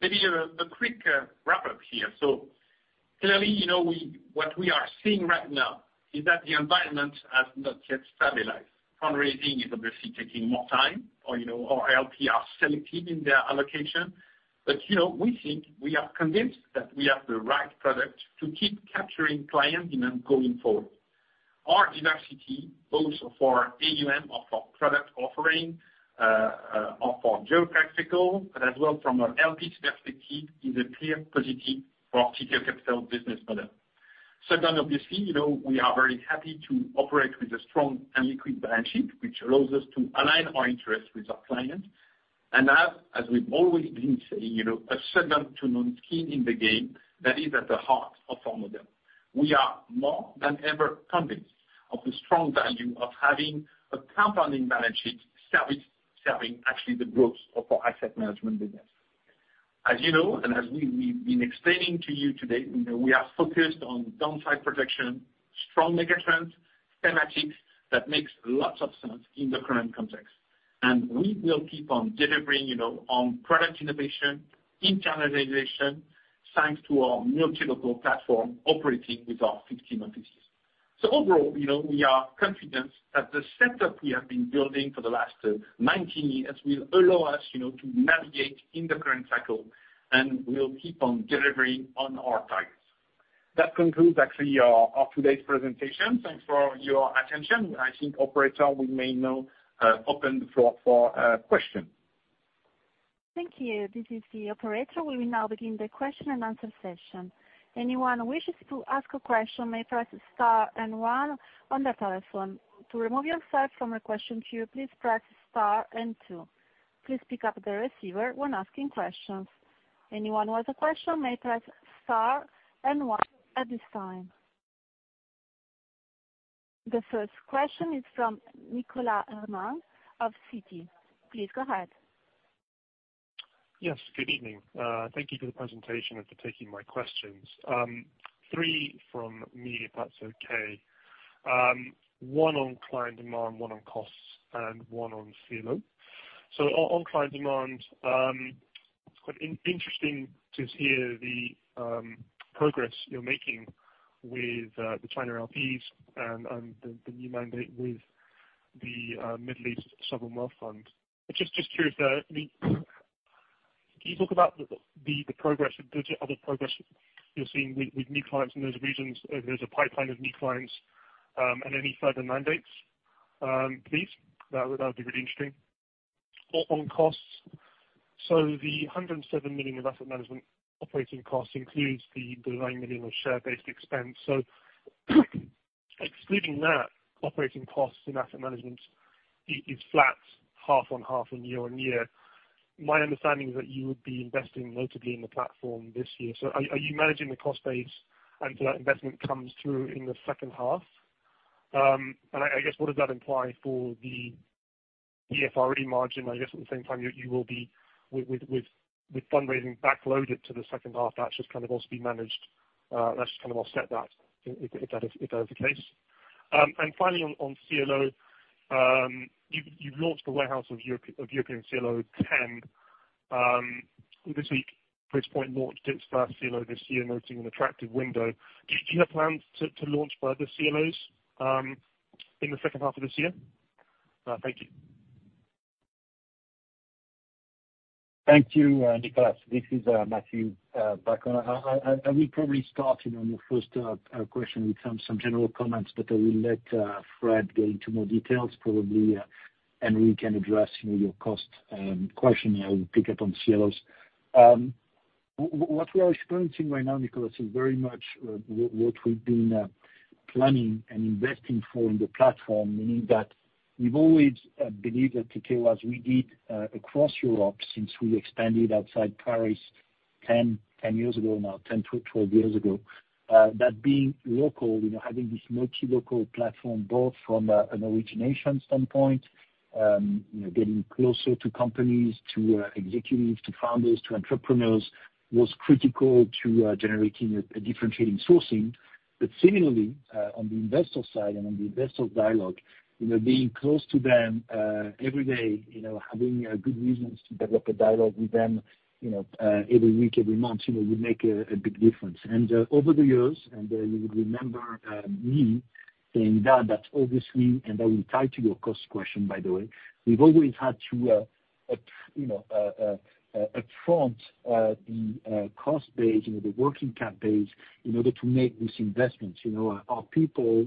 maybe a quick wrap-up here. Clearly, you know, what we are seeing right now is that the environment has not yet stabilized. Fundraising is obviously taking more time, or, you know, our LP are selective in their allocation. You know, we think, we are convinced that we have the right product to keep capturing clients in and going forward. Our diversity, both for AUM, or for product offering, or for geopolitical, but as well from an LP perspective, is a clear positive for Tikehau Capital business model. Second, obviously, you know, we are very happy to operate with a strong and liquid balance sheet, which allows us to align our interests with our clients. As we've always been saying, you know, a second to none skin in the game, that is at the heart of our model. We are more than ever convinced of the strong value of having a compounding balance sheet serving actually the growth of our Asset Management business. As you know, as we've been explaining to you today, you know, we are focused on downside protection, strong megatrends, thematics that makes lots of sense in the current context. We will keep on delivering, you know, on product innovation, internationalization, thanks to our multi-local platform operating with our 15 offices. Overall, you know, we are confident that the setup we have been building for the last 19 years will allow us, you know, to navigate in the current cycle, and we'll keep on delivering on our targets. That concludes actually of today's presentation. Thanks for your attention. I think, operator, we may now open the floor for question. Thank you. This is the operator. We will now begin the question and answer session. Anyone who wishes to ask a question may press star and one on their telephone. To remove yourself from a question queue, please press star and two. Please pick up the receiver when asking questions. Anyone who has a question may press star and one at this time. The first question is from Nicholas Herman of Citi. Please go ahead. Yes, good evening. Thank you for the presentation and for taking my questions. Three from me, if that's okay. One on client demand, one on costs, and one on CLO. On client demand, it's quite interesting to hear the progress you're making with the China LPs, and the new mandate with the Middle East sovereign wealth fund. Just curious, can you talk about the progress, the other progress you're seeing with new clients in those regions, if there's a pipeline of new clients, and any further mandates, please? That would be really interesting. On costs, the 107 million in asset management operating costs includes the 9 million of share-based expense. Excluding that, operating costs in asset management is flat, half-on-half and year-over-year. My understanding is that you would be investing notably in the platform this year. Are you managing the cost base until that investment comes through in the second half? I guess, what does that imply for the FRE margin? I guess at the same time you will be with fundraising backloaded to the second half, that's just kind of also be managed. Let's kind of offset that if that is the case. Finally, on CLO, you've launched the warehouse of European CLO 10 this week, which point launched its first CLO this year, noting an attractive window. Do you have plans to launch further CLOs in the second half of this year? Thank you. Thank you, Nicholas. This is Mathieu back on. I will probably start, you know, on your first question with some general comments, but I will let Fréd go into more details, probably, and we can address, you know, your cost question, I will pick up on CLOs. What we are experiencing right now, Nicholas, is very much what we've been planning and investing for in the platform. Meaning that we've always believed that Tikehau, as we did across Europe since we expanded outside Paris 10 years ago now, 10 years-12 years ago. That being local, you know, having this multi-local platform, both from an origination standpoint, you know, getting closer to companies, to executives, to founders, to entrepreneurs, was critical to generating a differentiating sourcing. Similarly, on the investor side and on the investor dialogue, you know, being close to them, every day, you know, having good reasons to develop a dialogue with them, you know, every week, every month, you know, would make a big difference. Over the years, and you would remember me saying that, that obviously, and I will tie to your cost question, by the way. We've always had to at, you know, upfront, the cost base, you know, the working cap base, in order to make these investments. You know, our people,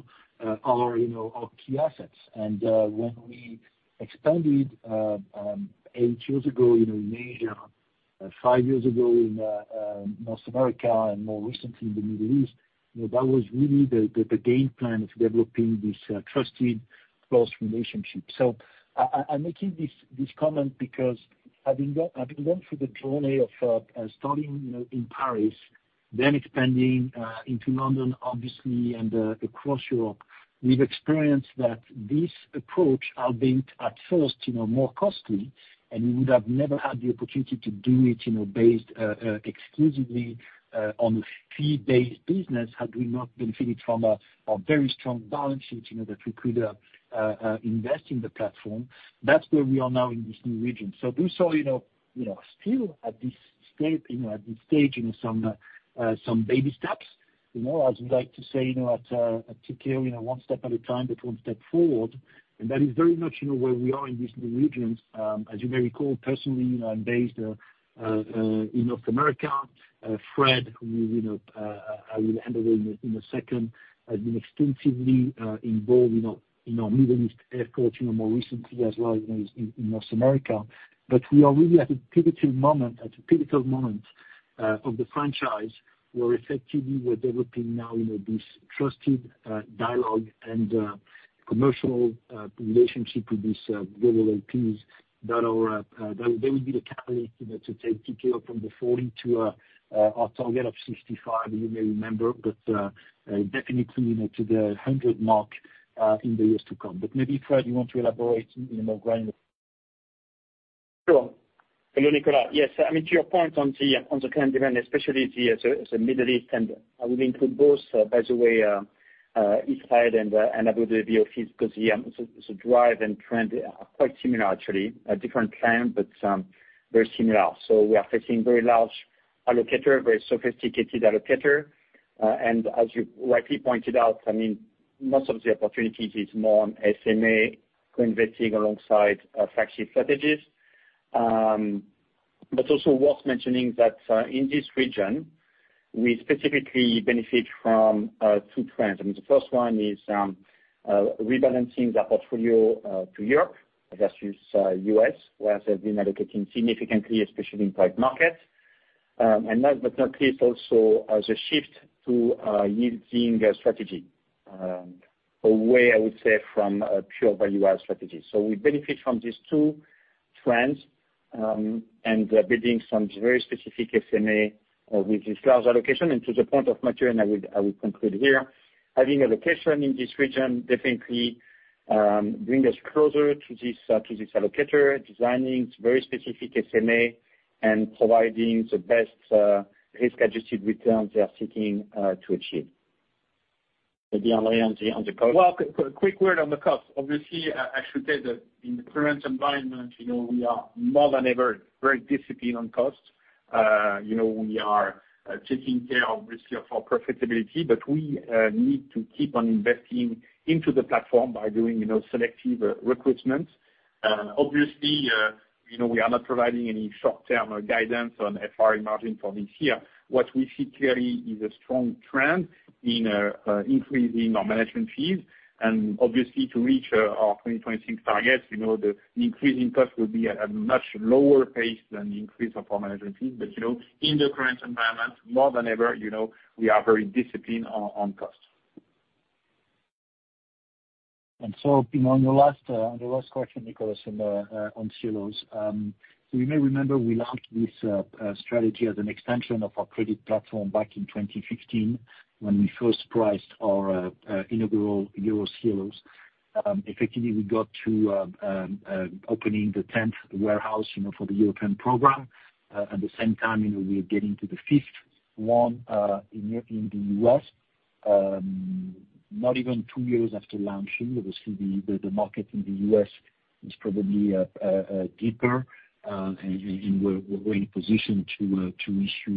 are, you know, our key assets. When we expanded eight years ago, you know, in Asia, five years ago in North America, and more recently in the Middle East, you know, that was really the, the, the game plan of developing this trusted close relationship. I, I, I'm making this, this comment because having gone through the journey of starting, you know, in Paris, then expanding into London, obviously, and across Europe, we've experienced that this approach are being at first, you know, more costly, and we would have never had the opportunity to do it, you know, based exclusively on a Fee-based business, had we not benefited from a very strong balance sheet, you know, that we could invest in the platform. That's where we are now in this new region. This are, you know, still at this stage, you know, some baby steps. You know, as we like to say, you know, at Tikehau, you know, one step at a time, but one step forward, and that is very much, you know, where we are in these new regions. As you may recall, personally, I'm based in North America. Fréd, who, you know, I will handle in a second, has been extensively involved in our Middle East effort, you know, more recently as well, you know, in North America. We are really at a pivotal moment of the franchise, where effectively we're developing now, you know, this trusted dialogue and commercial relationship with these global LPs that are, they will be the catalyst, you know, to take Tikehau from the 40 to our target of 65, you may remember. Definitely, you know, to the 100 mark in the years to come. Maybe, Fréd, you want to elaborate, you know, more on. Hello, Nicholas. Yes, I mean, to your point on the current demand, especially the Middle East, and I would include both, by the way, East Side and Abu Dhabi offices, because, yeah, drive and trend are quite similar actually. A different plan, but very similar. 15 very large allocator, very sophisticated allocator. As you rightly pointed out, I mean, most of the opportunities is more on SMA co-investing alongside flagship strategies. But also worth mentioning that in this region, we specifically benefit from two trends. I mean, the first one is rebalancing the portfolio to Europe versus U.S., whereas they've been allocating significantly, especially in private market. And last but not least, also, as a shift to yielding strategy, away, I would say, from a pure value add strategy. We benefit from these two trends and building some very specific SMA with this large allocation. To the point of material, and I would conclude here, having a location in this region definitely, bring us closer to this, to this allocator, designing very specific SMA and providing the best, risk-adjusted returns they are seeking, to achieve. Maybe Henri on the cost? Well, quick word on the cost. Obviously, I should say that in the current environment, you know, we are more than ever very disciplined on costs. You know, we are taking care obviously of our profitability, but we need to keep on investing into the platform by doing, you know, selective recruitment. Obviously, you know, we are not providing any short-term guidance on FRE margin for this year. What we see clearly is a strong trend in increasing our management fees, and obviously to reach our 2026 targets, you know, the increase in cost will be at a much lower pace than the increase of our management fees. You know, in the current environment, more than ever, you know, we are very disciplined on costs. You know, on the last question, Nicholas, on CLOs, you may remember we launched this strategy as an extension of our credit platform back in 2015, when we first priced our inaugural Euro CLOs. Effectively, we got to opening the 10th warehouse, you know, for the European program. At the same time, you know, we are getting to the 5th one in the US. Not even 2 years after launching, obviously, the market in the US is probably deeper, and we're well positioned to issue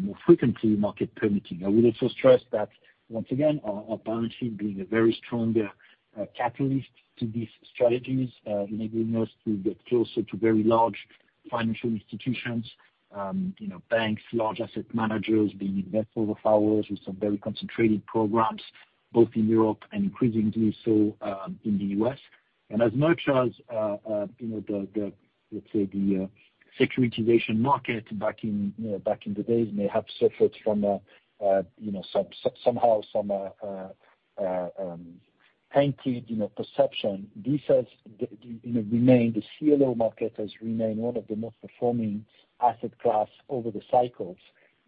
more frequently, market permitting. I would also stress that, once again, our balance sheet being a very strong catalyst to these strategies, enabling us to get closer to very large financial institutions, you know, banks, large asset managers, the investors of ours with some very concentrated programs, both in Europe and increasingly so in the U.S. As much as, you know, the, let's say, the securitization market back in the days may have suffered from a, you know, somehow some painted, you know, perception. The CLO market has remained one of the most performing asset class over the cycles,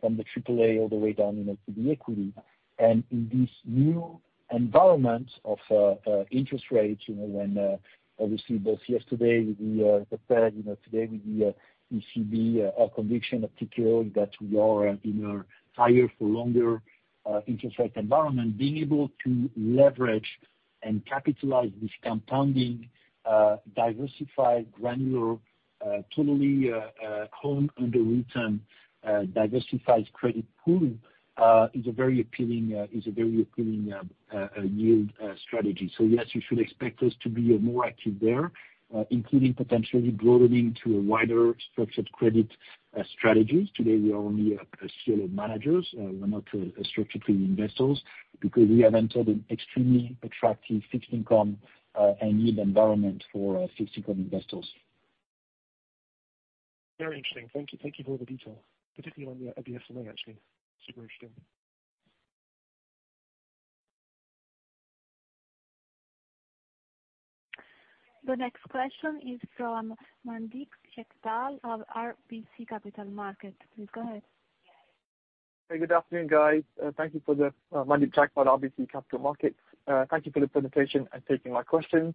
from the triple A all the way down, you know, to the equity. In this new environment of interest rates, you know, when obviously both yesterday with the Fed, you know, today with the ECB, our conviction of TDL that we are in a higher for longer interest rate environment, being able to leverage and capitalize this compounding, diversified, granular, totally home underwritten, diversified credit pool, is a very appealing yield strategy. Yes, you should expect us to be more active there, including potentially broadening to a wider structured credit strategies. Today, we are only a CLO managers, we're not a structure to investors, because we have entered an extremely attractive fixed income and yield environment for fixed income investors. Very interesting. Thank you for all the detail, particularly on the SMA actually. Super interesting. The next question is from Mandeep Jagpal of RBC Capital Markets. Please go ahead. Hey, good afternoon, guys. Mandeep Jagpal, RBC Capital Markets. Thank you for the presentation and taking my questions.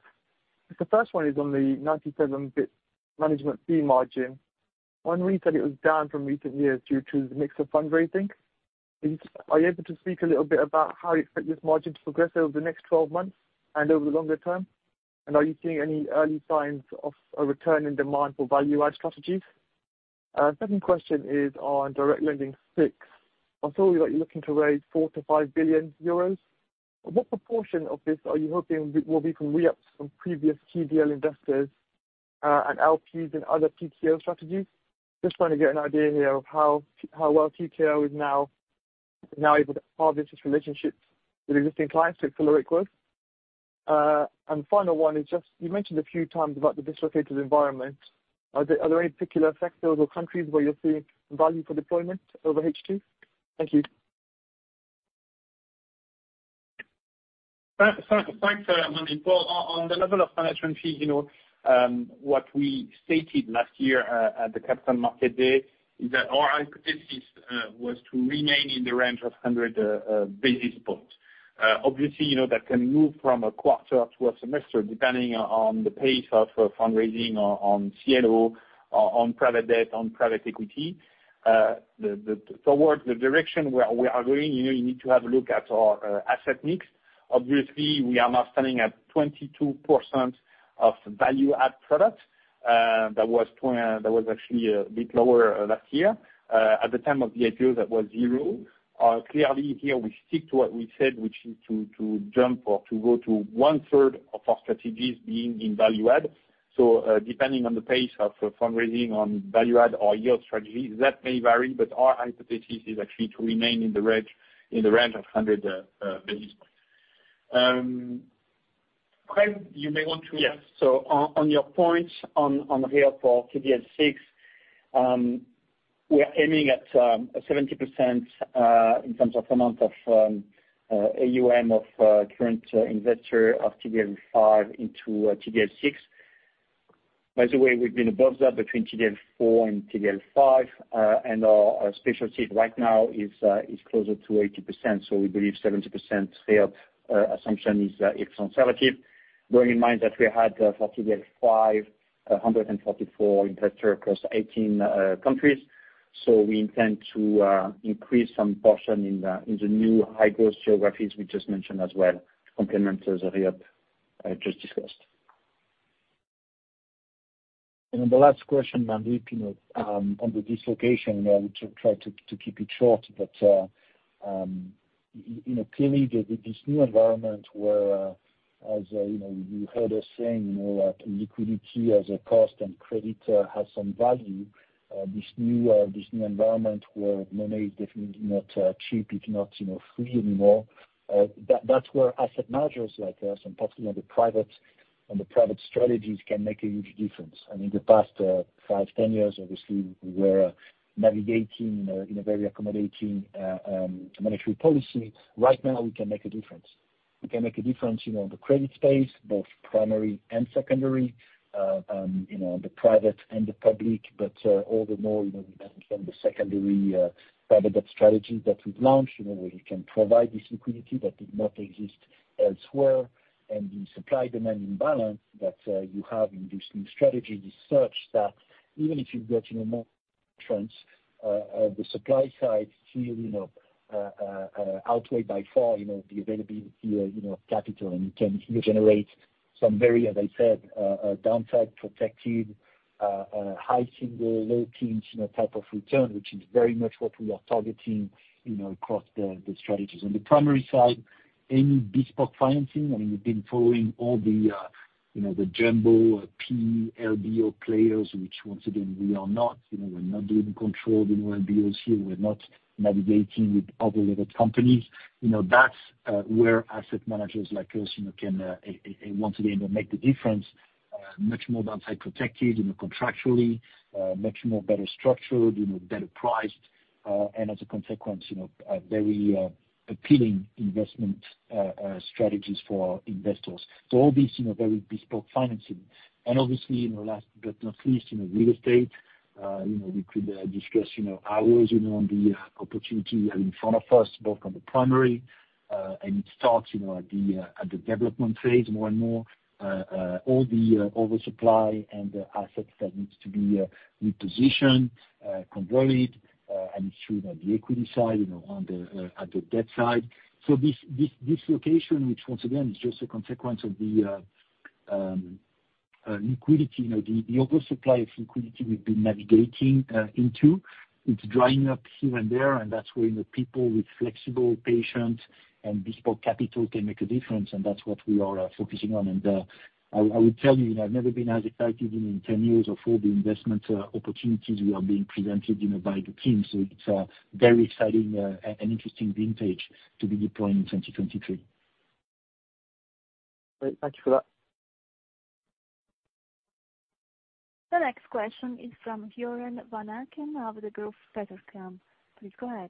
The first one is on the 97 basis points management fee margin. One reason it was down from recent years due to the mix of fundraising. Are you able to speak a little bit about how you expect this margin to progress over the next 12 months and over the longer term? Are you seeing any early signs of a return in demand for value add strategies? Second question is on Tikehau Direct Lending VI. I saw that you're looking to raise 4 billion-5 billion euros. What proportion of this are you hoping will be from reups from previous TDL investors, and LPs and other TKO strategies? Just want to get an idea here of how well TKO is now able to harvest its relationships with existing clients to accelerate growth. Final one is just, you mentioned a few times about the dislocated environment. Are there any particular factors or countries where you're seeing value for deployment over H2? Thank you. Thanks, Mandeep. On the level of management fee, you know, what we stated last year at the Capital Market Day is that our hypothesis was to remain in the range of 100 basis points. Obviously, you know, that can move from a quarter to a semester, depending on the pace of fundraising on CLO, on private debt, on private equity. The toward the direction where we are going, you know, you need to have a look at our asset mix. Obviously, we are now standing at 22% of value add product, that was actually a bit lower last year. At the time of the IPO, that was zero. Clearly, here we stick to what we said, which is to jump or to go to one third of our strategies being in value add. So, depending on the pace of fundraising on value add or yield strategy, that may vary, but our hypothesis is actually to remain in the range, in the range of 100 basis points. Fréd, you may want to. Yes. On your points on here for TDL six, we are aiming at 70% in terms of amount of AUM of current investor of TDL five into TDL six. By the way, we've been above that between TDL four and TDL five, and our specialty right now is closer to 80%, so we believe 70% sale assumption is conservative. Bear in mind that we had, for TDL five, 144 investor across 18 countries, so we intend to increase some portion in the new high growth geographies we just mentioned as well, complementary as I have just discussed. The last question, Mandeep, you know, on the dislocation, I would try to keep it short, but, you know, clearly there's this new environment where, as, you know, you heard us saying, you know, like, liquidity as a cost and credit has some value, this new, this new environment where money is definitely not cheap, it's not, you know, free anymore. That's where asset managers like us, and possibly on the private strategies can make a huge difference. I mean, the past five years, 10 years, obviously, we were navigating in a very accommodating monetary policy. Right now, we can make a difference. We can make a difference, you know, in the credit space, both primary and secondary, you know, the private and the public. All the more, you know, we benefit from the secondary private debt strategy that we've launched, you know, where we can provide this liquidity that did not exist elsewhere. The supply-demand imbalance that you have in this new strategy is such that even if you've got, you know, more trends, the supply side still, you know, outweighed by far, you know, the availability, you know, of capital, and you can generate some very, as I said, a downside protective, high single, low teens, you know, type of return, which is very much what we are targeting, you know, across the strategies. On the primary side, any bespoke financing, I mean, we've been following all the, you know, the jumbo LBO players, which once again, we are not, you know, we're not being controlled in LBOs, we're not navigating with other level companies. You know, that's where asset managers like us, you know, can once again, make the difference, much more downside protected, you know, contractually, much more better structured, you know, better priced. And as a consequence, you know, a very appealing investment strategies for investors. All these, you know, very bespoke financing. Obviously, you know, last but not least, you know, real estate, you know, we could discuss, you know, hours, you know, on the opportunity in front of us, both on the primary, and it starts, you know, at the development phase, more and more, all the oversupply and the assets that needs to be repositioned, consolidated, and ensure that the equity side, you know, on the debt side. This dislocation, which once again is just a consequence of the liquidity, you know, the oversupply of liquidity we've been navigating into, it's drying up here and there, and that's where, you know, people with flexible, patient, and bespoke capital can make a difference, and that's what we are focusing on. I would tell you, I've never been as excited in 10 years of all the investment opportunities we are being presented, you know, by the team. It's a very exciting and interesting vintage to be deploying in 2023. Great. Thank you for that. The next question is from Joren Van Aken of Degroof Petercam. Please go ahead.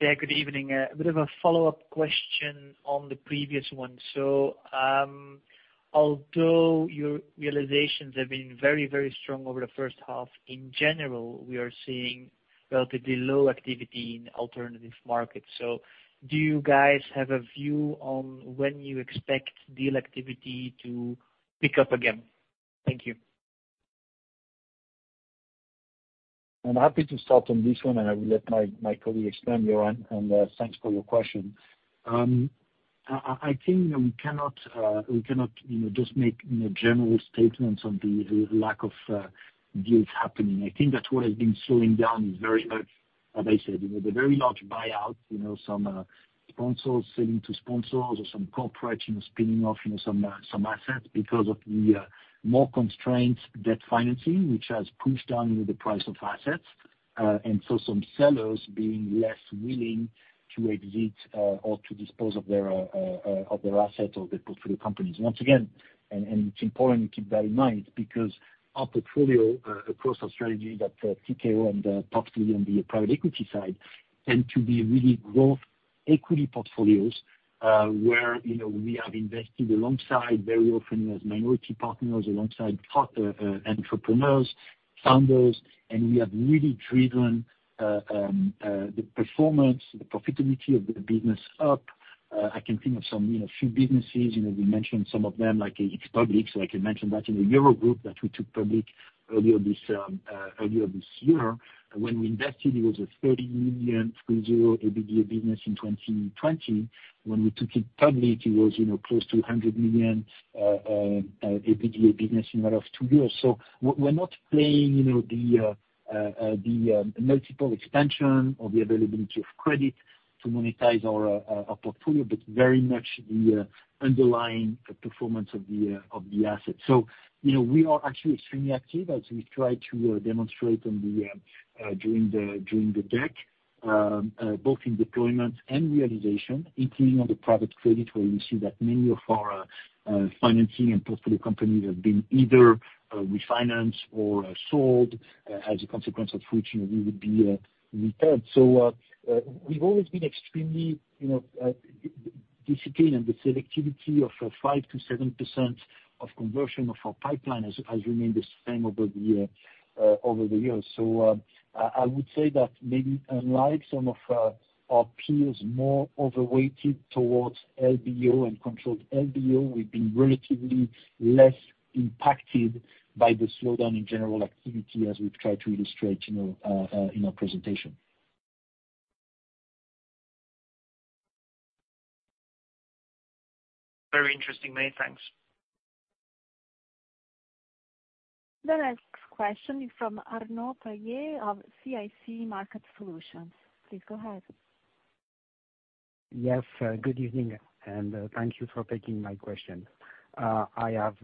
Good evening. A bit of a follow-up question on the previous one. Although your realizations have been very, very strong over the first half, in general, we are seeing relatively low activity in alternative markets. Do you guys have a view on when you expect deal activity to pick up again? Thank you. I'm happy to start on this one. I will let my colleague expand, Joren, and thanks for your question. I think we cannot, you know, just make, you know, general statements on the lack of deals happening. I think that what has been slowing down is very much as I said, you know, the very large buyouts, you know, some sponsors selling to sponsors or some corporate, you know, spinning off, you know, some assets because of the more constrained debt financing, which has pushed down the price of assets. Some sellers being less willing to exit or to dispose of their assets or their portfolio companies. Once again, and it's important to keep that in mind, because our portfolio, across our strategy that TKO and possibly on the private equity side, tend to be really growth equity portfolios, where, you know, we have invested alongside very often as minority partners, alongside entrepreneurs, founders, and we have really driven the performance, the profitability of the business up. I can think of some, you know, few businesses, you know, we mentioned some of them, like it's public, so I can mention that in the EuroGroup, that we took public earlier this earlier this year. When we invested, it was a 30 million EBITDA business in 2020. When we took it public, it was, you know, close to a 100 million EBITDA business in matter of two years. We're not playing, you know, the multiple expansion or the availability of credit to monetize our portfolio, but very much the underlying performance of the asset. You know, we are actually extremely active as we try to demonstrate on the during the deck both in deployment and realization, including on the private credit, where you see that many of our financing and portfolio companies have been either refinanced or sold as a consequence of which, you know, we would be repaired. We've always been extremely, you know, discipline and the selectivity of 5% to 7% of conversion of our pipeline has remained the same over the years, over the years. I would say that maybe unlike some of our peers, more overweighted towards LBO and controlled LBO, we've been relatively less impacted by the slowdown in general activity, as we've tried to illustrate, you know, in our presentation. Very interesting, many thanks. The next question is from Arnaud Palliez of CIC Market Solutions. Please go ahead. Yes, good evening, and thank you for taking my question. I have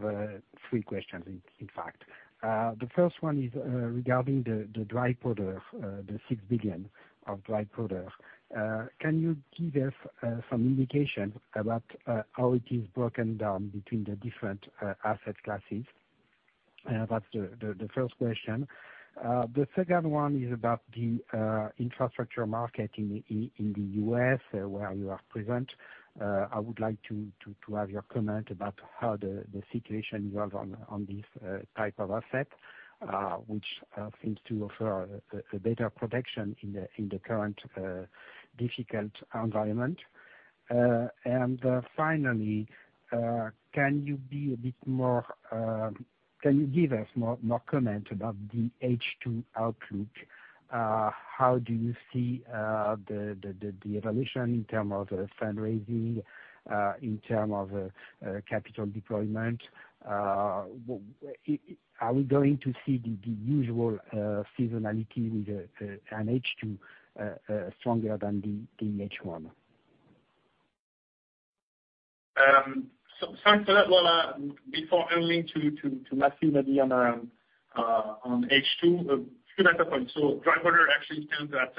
three questions in fact. The first one is regarding the dry powder, the 6 billion of dry powder. Can you give us some indication about how it is broken down between the different asset classes? That's the first question. The second one is about the infrastructure market in the U.S., where you are present. I would like to have your comment about how the situation evolved on this type of asset, which seems to offer a better protection in the current difficult environment. Finally, can you be a bit more. Can you give us more comment about the H2 outlook? How do you see the evolution in term of the fundraising, in term of capital deployment? Are we going to see the usual seasonality with an H2 stronger than the H1? Thanks a lot, well, before turning to Mathieu on the on H2, a few data points. Dry powder actually stands at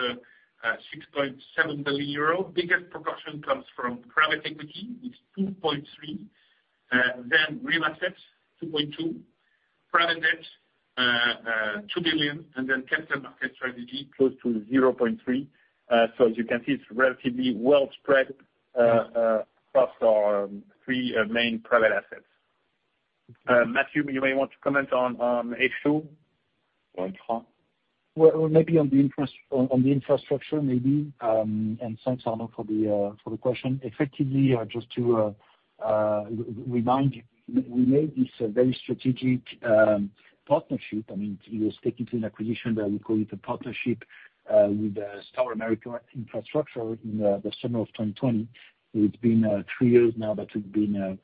6.7 billion euro. Biggest proportion comes from private equity. It's 2.3 billion, then real assets, 2.2 billion, private debt, 2 billion, and then capital market strategy, close to 0.3 billion. As you can see, it's relatively well spread across our three main private assets. Mathieu, you may want to comment on H2? Well, maybe on the infrastructure, maybe, and thanks, Arnaud, for the question. Effectively, just to remind you, we made this a very strategic partnership. I mean, it was taking an acquisition, but I would call it a partnership with Star American Infrastructure in the summer of 2020. It's been three years now that we've been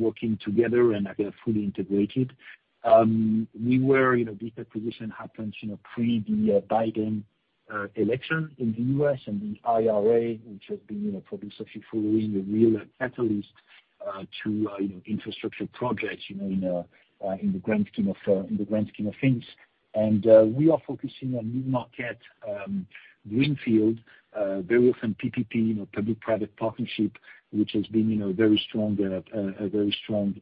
working together, and they are fully integrated. We were, you know, this acquisition happens, you know, pre the Biden election in the U.S. and the IRA, which has been, you know, probably successfully the real catalyst to, you know, infrastructure projects, you know, in the grand scheme of things. We are focusing on new market, greenfield, very often PPP, you know, public-private partnership, which has been, you know, very strong, a very strong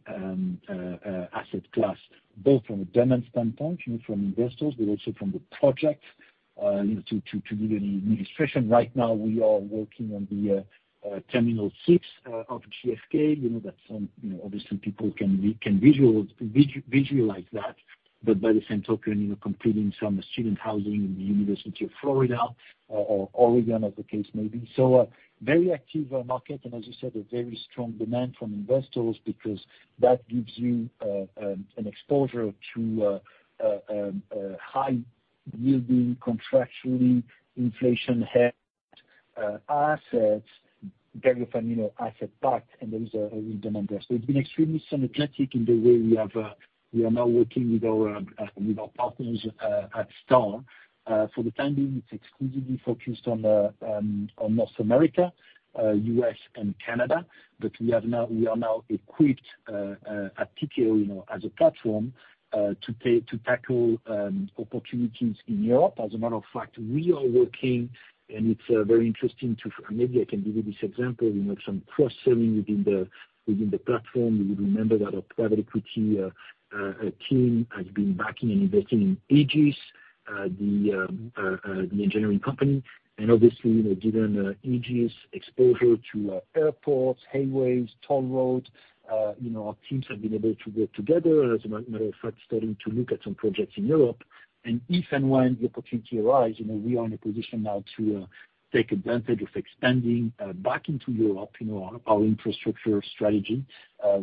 asset class, both from a demand standpoint, you know, from investors, but also from the project, you know, to the administration. Right now, we are working on the terminal six of JFK. You know, that some, you know, obviously people can visualize that. By the same token, you know, completing some student housing in the University of Florida, or Oregon, as the case may be. Very active market, and as you said, a very strong demand from investors because that gives you an exposure to a high yielding contractually inflation head assets, very often, you know, asset pack, and there is a demand there. It's been extremely synthetic in the way we are now working with our partners at Star. For the time being, it's exclusively focused on North America, U.S. and Canada, but we are now equipped at Tikehau, you know, as a platform, to tackle opportunities in Europe. As a matter of fact, we are working, and it's very interesting maybe I can give you this example, you know, some cross-selling within the platform. You remember that our private equity team has been backing and investing in Egis? The engineering company. Obviously, you know, given Egis' exposure to airports, highways, toll roads, you know, our teams have been able to work together. As a matter of fact, starting to look at some projects in Europe, and if and when the opportunity arise, you know, we are in a position now to take advantage of expanding back into Europe, you know, our infrastructure strategy,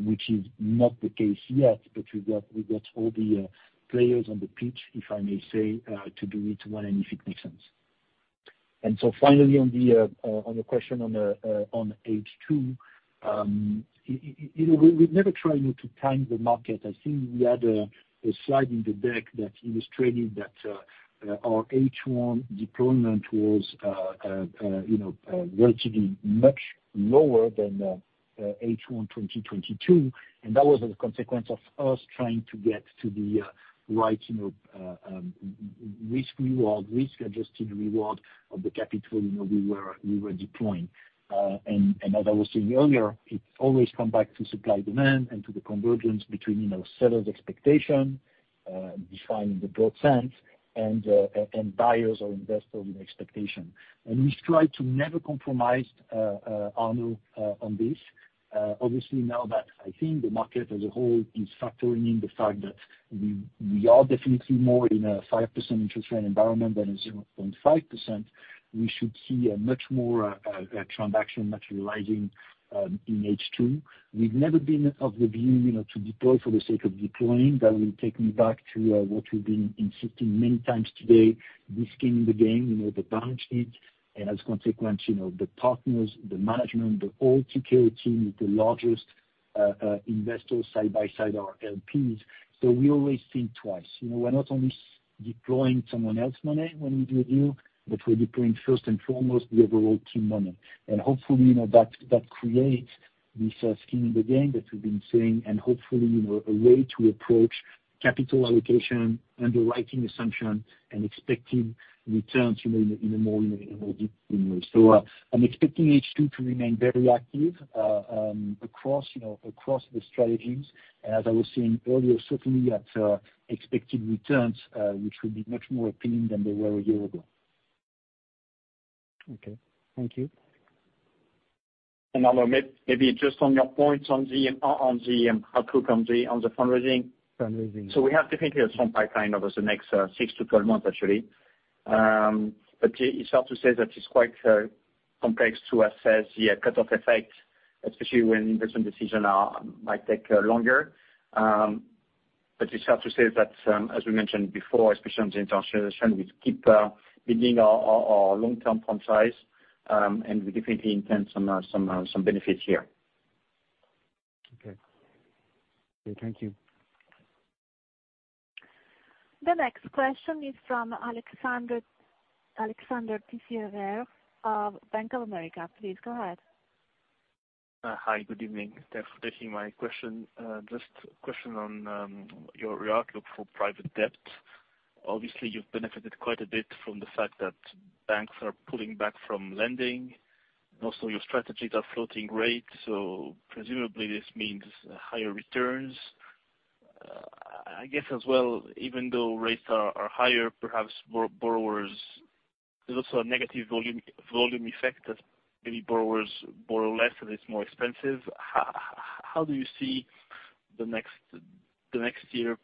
which is not the case yet, but we got all the players on the pitch, if I may say, to do it when and if it makes sense. Finally, on the question on H2, you know, we've never tried to time the market. I think we had a slide in the deck that illustrated that our H1 deployment was, you know, relatively much lower than H1 2022, and that was as a consequence of us trying to get to the right, you know, risk reward, risk-adjusted reward of the capital we were deploying. As I was saying earlier, it's always come back to supply-demand and to the convergence between, you know, seller's expectation, defining the broad sense, and buyers or investor's expectation. We try to never compromise, Arnaud, on this. Obviously now that I think the market as a whole is factoring in the fact that we are definitely more in a 5% interest rate environment than a 0.5%, we should see a much more transaction materializing in H2. We've never been of the view, you know, to deploy for the sake of deploying. That will take me back to what we've been insisting many times today, risk in the game, you know, the balance sheet, and as a consequence, you know, the partners, the management, the whole TKO team, the largest investor side by side, our LPs. We always think twice. You know, we're not only deploying someone else money when we do a deal, but we're deploying first and foremost, we have the whole team money. Hopefully, you know, that creates this skin in the game that we've been saying, and hopefully, you know, a way to approach capital allocation, underwriting assumption, and expecting returns, you know, in a more deep way. I'm expecting H2 to remain very active across, you know, the strategies. As I was saying earlier, certainly at expected returns, which will be much more appealing than they were a year ago. Okay. Thank you. Arnaud, maybe just on your points on the outcome on the fundraising. Fundraising. We have definitely some pipeline over the next, six to 12 months, actually. It's hard to say that it's quite complex to assess the cut-off effect, especially when investment decisions are, might take longer. It's hard to say that, as we mentioned before, especially on the internationalization, we keep building our long-term fund size, and we definitely intend some benefits here. Okay. Okay, thank you. The next question is from Alexandre Tissières of Bank of America. Please, go ahead. Hi, good evening. Thanks for taking my question. Just a question on your outlook for private debt. Obviously, you've benefited quite a bit from the fact that banks are pulling back from lending. Also your strategies are floating rate, so presumably this means higher returns. I guess as well, even though rates are higher, perhaps borrowers. There's also a negative volume effect, as many borrowers borrow less, and it's more expensive. How do you see the next year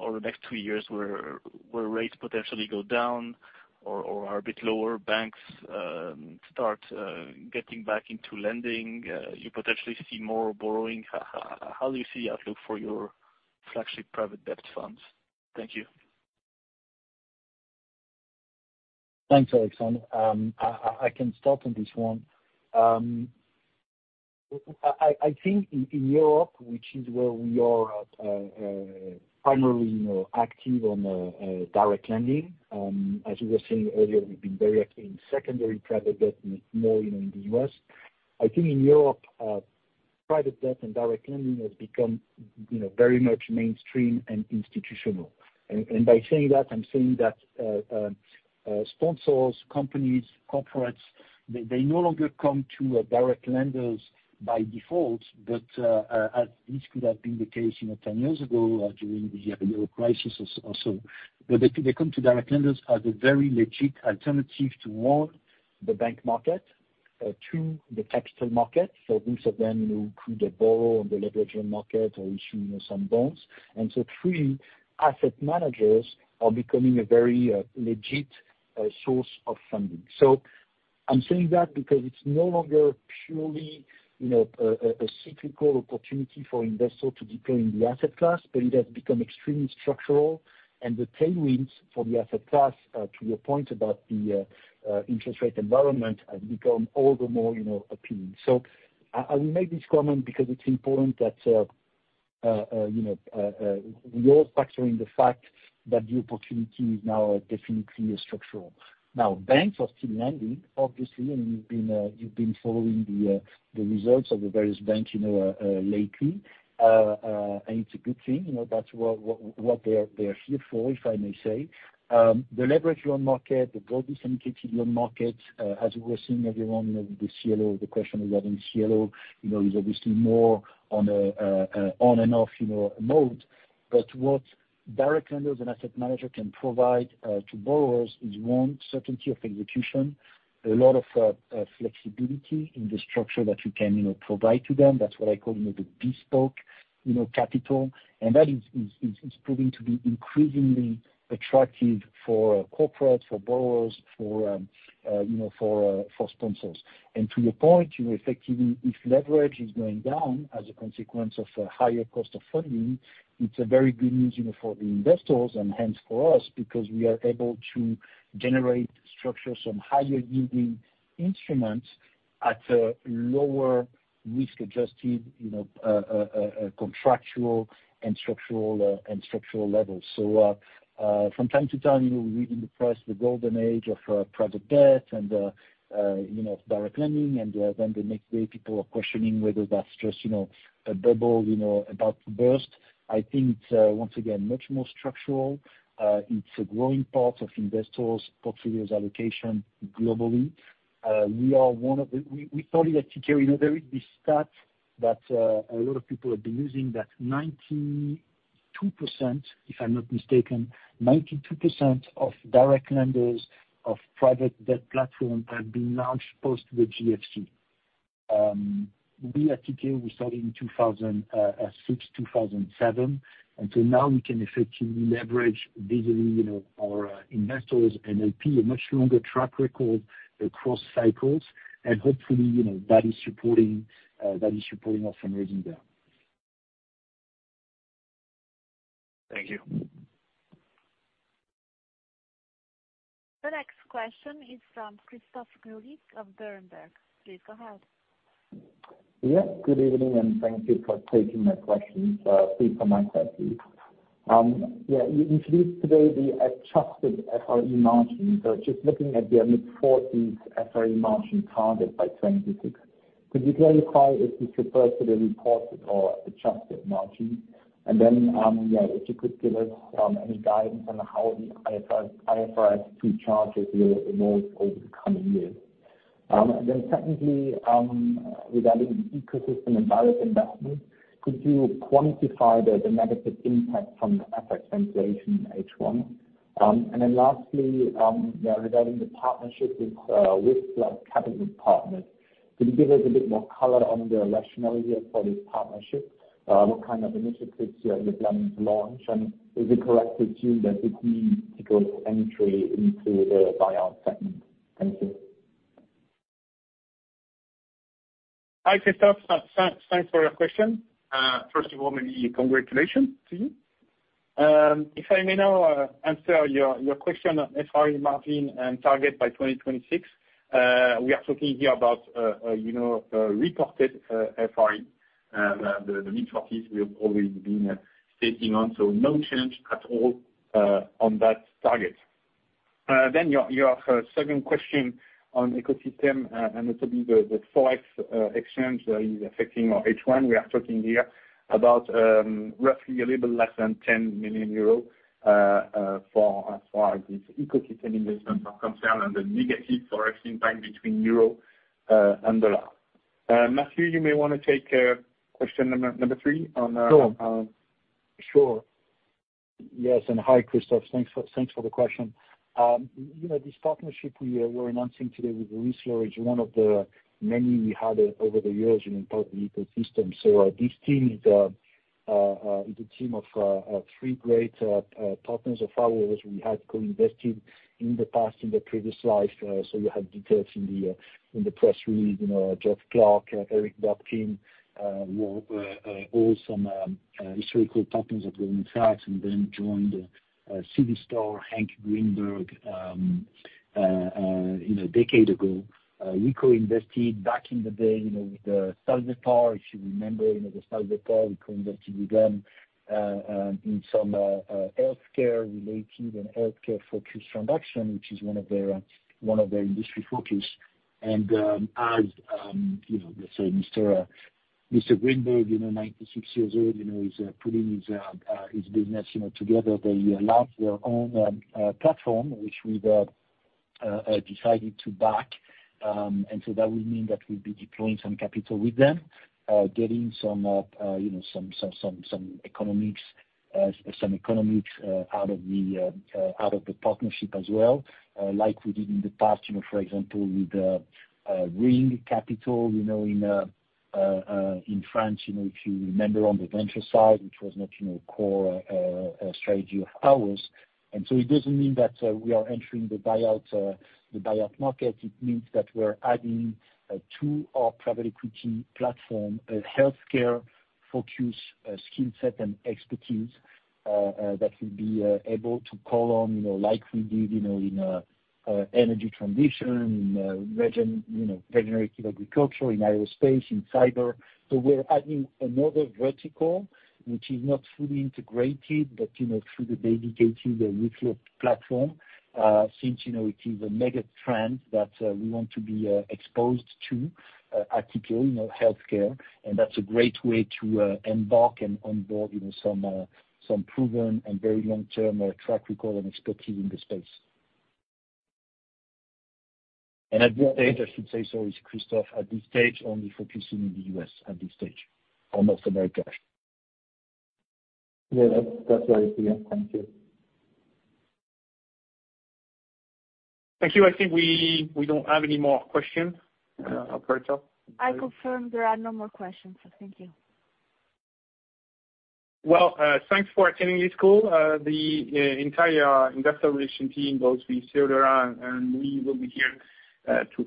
or the next two years, where rates potentially go down or are a bit lower, banks start getting back into lending, you potentially see more borrowing? How do you see outlook for your flagship private debt funds? Thank you. Thanks, Alexandre. I can start on this one. I think in Europe, which is where we are primarily, you know, active on direct lending, as you were saying earlier, we've been very active in secondary private debt, more in the U.S. I think in Europe, private debt and direct lending has become, you know, very much mainstream and institutional. By saying that, I'm saying that sponsors, companies, corporates, they no longer come to direct lenders by default, but as this could have been the case, you know, 10 years ago, during the euro crisis also. They come to direct lenders as a very legit alternative to, one, the bank market, two, the capital market. Most of them, you know, could borrow on the leveraged market or issue, you know, some bonds. Three, asset managers are becoming a very legit source of funding. I'm saying that because it's no longer purely, you know, a cyclical opportunity for investors to deploy in the asset class, but it has become extremely structural, and the tailwinds for the asset class, to your point about the interest rate environment, have become all the more, you know, appealing. I, I will make this comment because it's important that, you know, we all factor in the fact that the opportunity is now definitely structural. Banks are still lending, obviously, and you've been following the results of the various banks, you know, lately. It's a good thing, you know, that's what they are here for, if I may say. The leverage loan market, the global syndicated loan market, as we're seeing everyone, the CLO, the question we have in CLO, you know, is obviously more on a on and off, you know, mode. What direct lenders and asset manager can provide to borrowers is, one, certainty of execution, a lot of flexibility in the structure that we can, you know, provide to them. That's what I call, you know, the bespoke, you know, capital. That is proving to be increasingly attractive for corporates, for borrowers, for, you know, for sponsors. To your point, you know, effectively, if leverage is going down as a consequence of a higher cost of funding, it's a very good news, you know, for the investors, and hence for us, because we are able to generate structure some higher-yielding instruments at a lower risk-adjusted, you know, contractual and structural level. From time to time, you read in the press, the golden age of private debt and, you know, direct lending. Then the next day, people are questioning whether that's just, you know, a bubble, you know, about to burst. I think it's once again, much more structural. It's a growing part of investors' portfolios allocation globally. We thought at Tikehau, you know, there is this stat that a lot of people have been using, that 92%, if I'm not mistaken, 92% of direct lenders of private debt platforms have been launched post the GFC. We at Tikehau, we started in 2006, 2007, now we can effectively leverage visibly, you know, our investors and LP, a much longer track record across cycles. Hopefully, you know, that is supporting our fundraising there. Thank you. The next question is from Christoph Greulich of Berenberg. Please go ahead. Good evening, thank you for taking my questions. You introduced today the adjusted FRE margin. Just looking at the mid-40s FRE margin target by 2026, could you clarify if this refers to the reported or adjusted margin? If you could give us any guidance on how the IFRS 2 charges will evolve over the coming years. Secondly, regarding the ecosystem and direct investment, could you quantify the negative impact from the FX translation in H1? Lastly, regarding the partnership with Capital Partners, could you give us a bit more color on the rationale here for this partnership? What kind of initiatives you're planning to launch, and is it correct to assume that it means to go entry into the buyout segment? Thank you. Hi, Christoph. Thanks for your question. First of all, many congratulations to you. If I may now answer your question on FRE margin and target by 2026. We are talking here about, you know, reported FRE. The mid-forties we have already been stating on, no change at all on that target. Your second question on ecosystem and also the Forex exchange is affecting our H1. We are talking here about roughly a little less than 10 million euros as far as this ecosystem investment are concerned, and the negative Forex impact between euro and the dollar. Mathieu, you may wanna take question number three on. Sure. Yes, hi, Christoph. Thanks for the question. You know, this partnership we're announcing today with Resler is one of the many we had over the years, you know, part of the ecosystem. This team is the team of three great partners of followers we had co-invested in the past, in the previous life. You have details in the press release, you know, Jeff Clark, Eric Dobkin, were all some historical partners of in fact, and then joined C.V. Starr, Hank Greenberg, you know, a decade ago. We co-invested back in the day, you know, with the Salvatore, if you remember, you know, the Salvatore, we co-invested with them in some healthcare-related and healthcare-focused transaction, which is one of their one of their industry focus. As, you know, let's say Mr. Greenberg, you know, 96 years old, you know, he's putting his business, you know, together. They launched their own platform, which we decided to back. That would mean that we'll be deploying some capital with them, getting some, you know, some economics out of the partnership as well, like we did in the past, you know, for example, with the Ring Capital, you know, in France, you know, if you remember on the venture side, which was not, you know, core strategy of ours. It doesn't mean that we are entering the buyout market. It means that we're adding to our private equity platform, a healthcare focus, skill set and expertise that will be able to call on, you know, like we did, you know, in energy transition, in regenerative agriculture, in aerospace, in cyber. We're adding another vertical, which is not fully integrated, but, you know, through the dedicated, the nuclear platform, since it is a mega trend that we want to be exposed to at Tikehau, you know, healthcare. That's a great way to embark and onboard, you know, some proven and very long-term track record and expertise in the space. At what stage, I should say so, is Christoph at this stage, only focusing in the US at this stage or North America? Yeah, that's very clear. Thank you. Thank you. I think we don't have any more questions, operator. I confirm there are no more questions. Thank you. Well, thanks for attending this call. The entire investor relation team, both Théodora and we will be here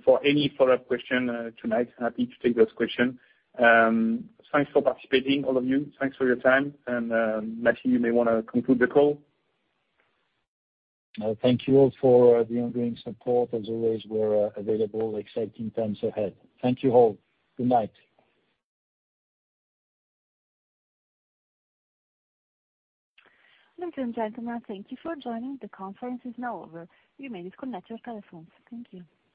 for any follow-up question tonight. Happy to take those question. Thanks for participating, all of you. Thanks for your time. Mathieu, you may wanna conclude the call. Thank you all for the ongoing support. As always, we're available. Exciting times ahead. Thank you all. Good night. Ladies and gentlemen, thank you for joining. The conference is now over. You may disconnect your telephones. Thank you.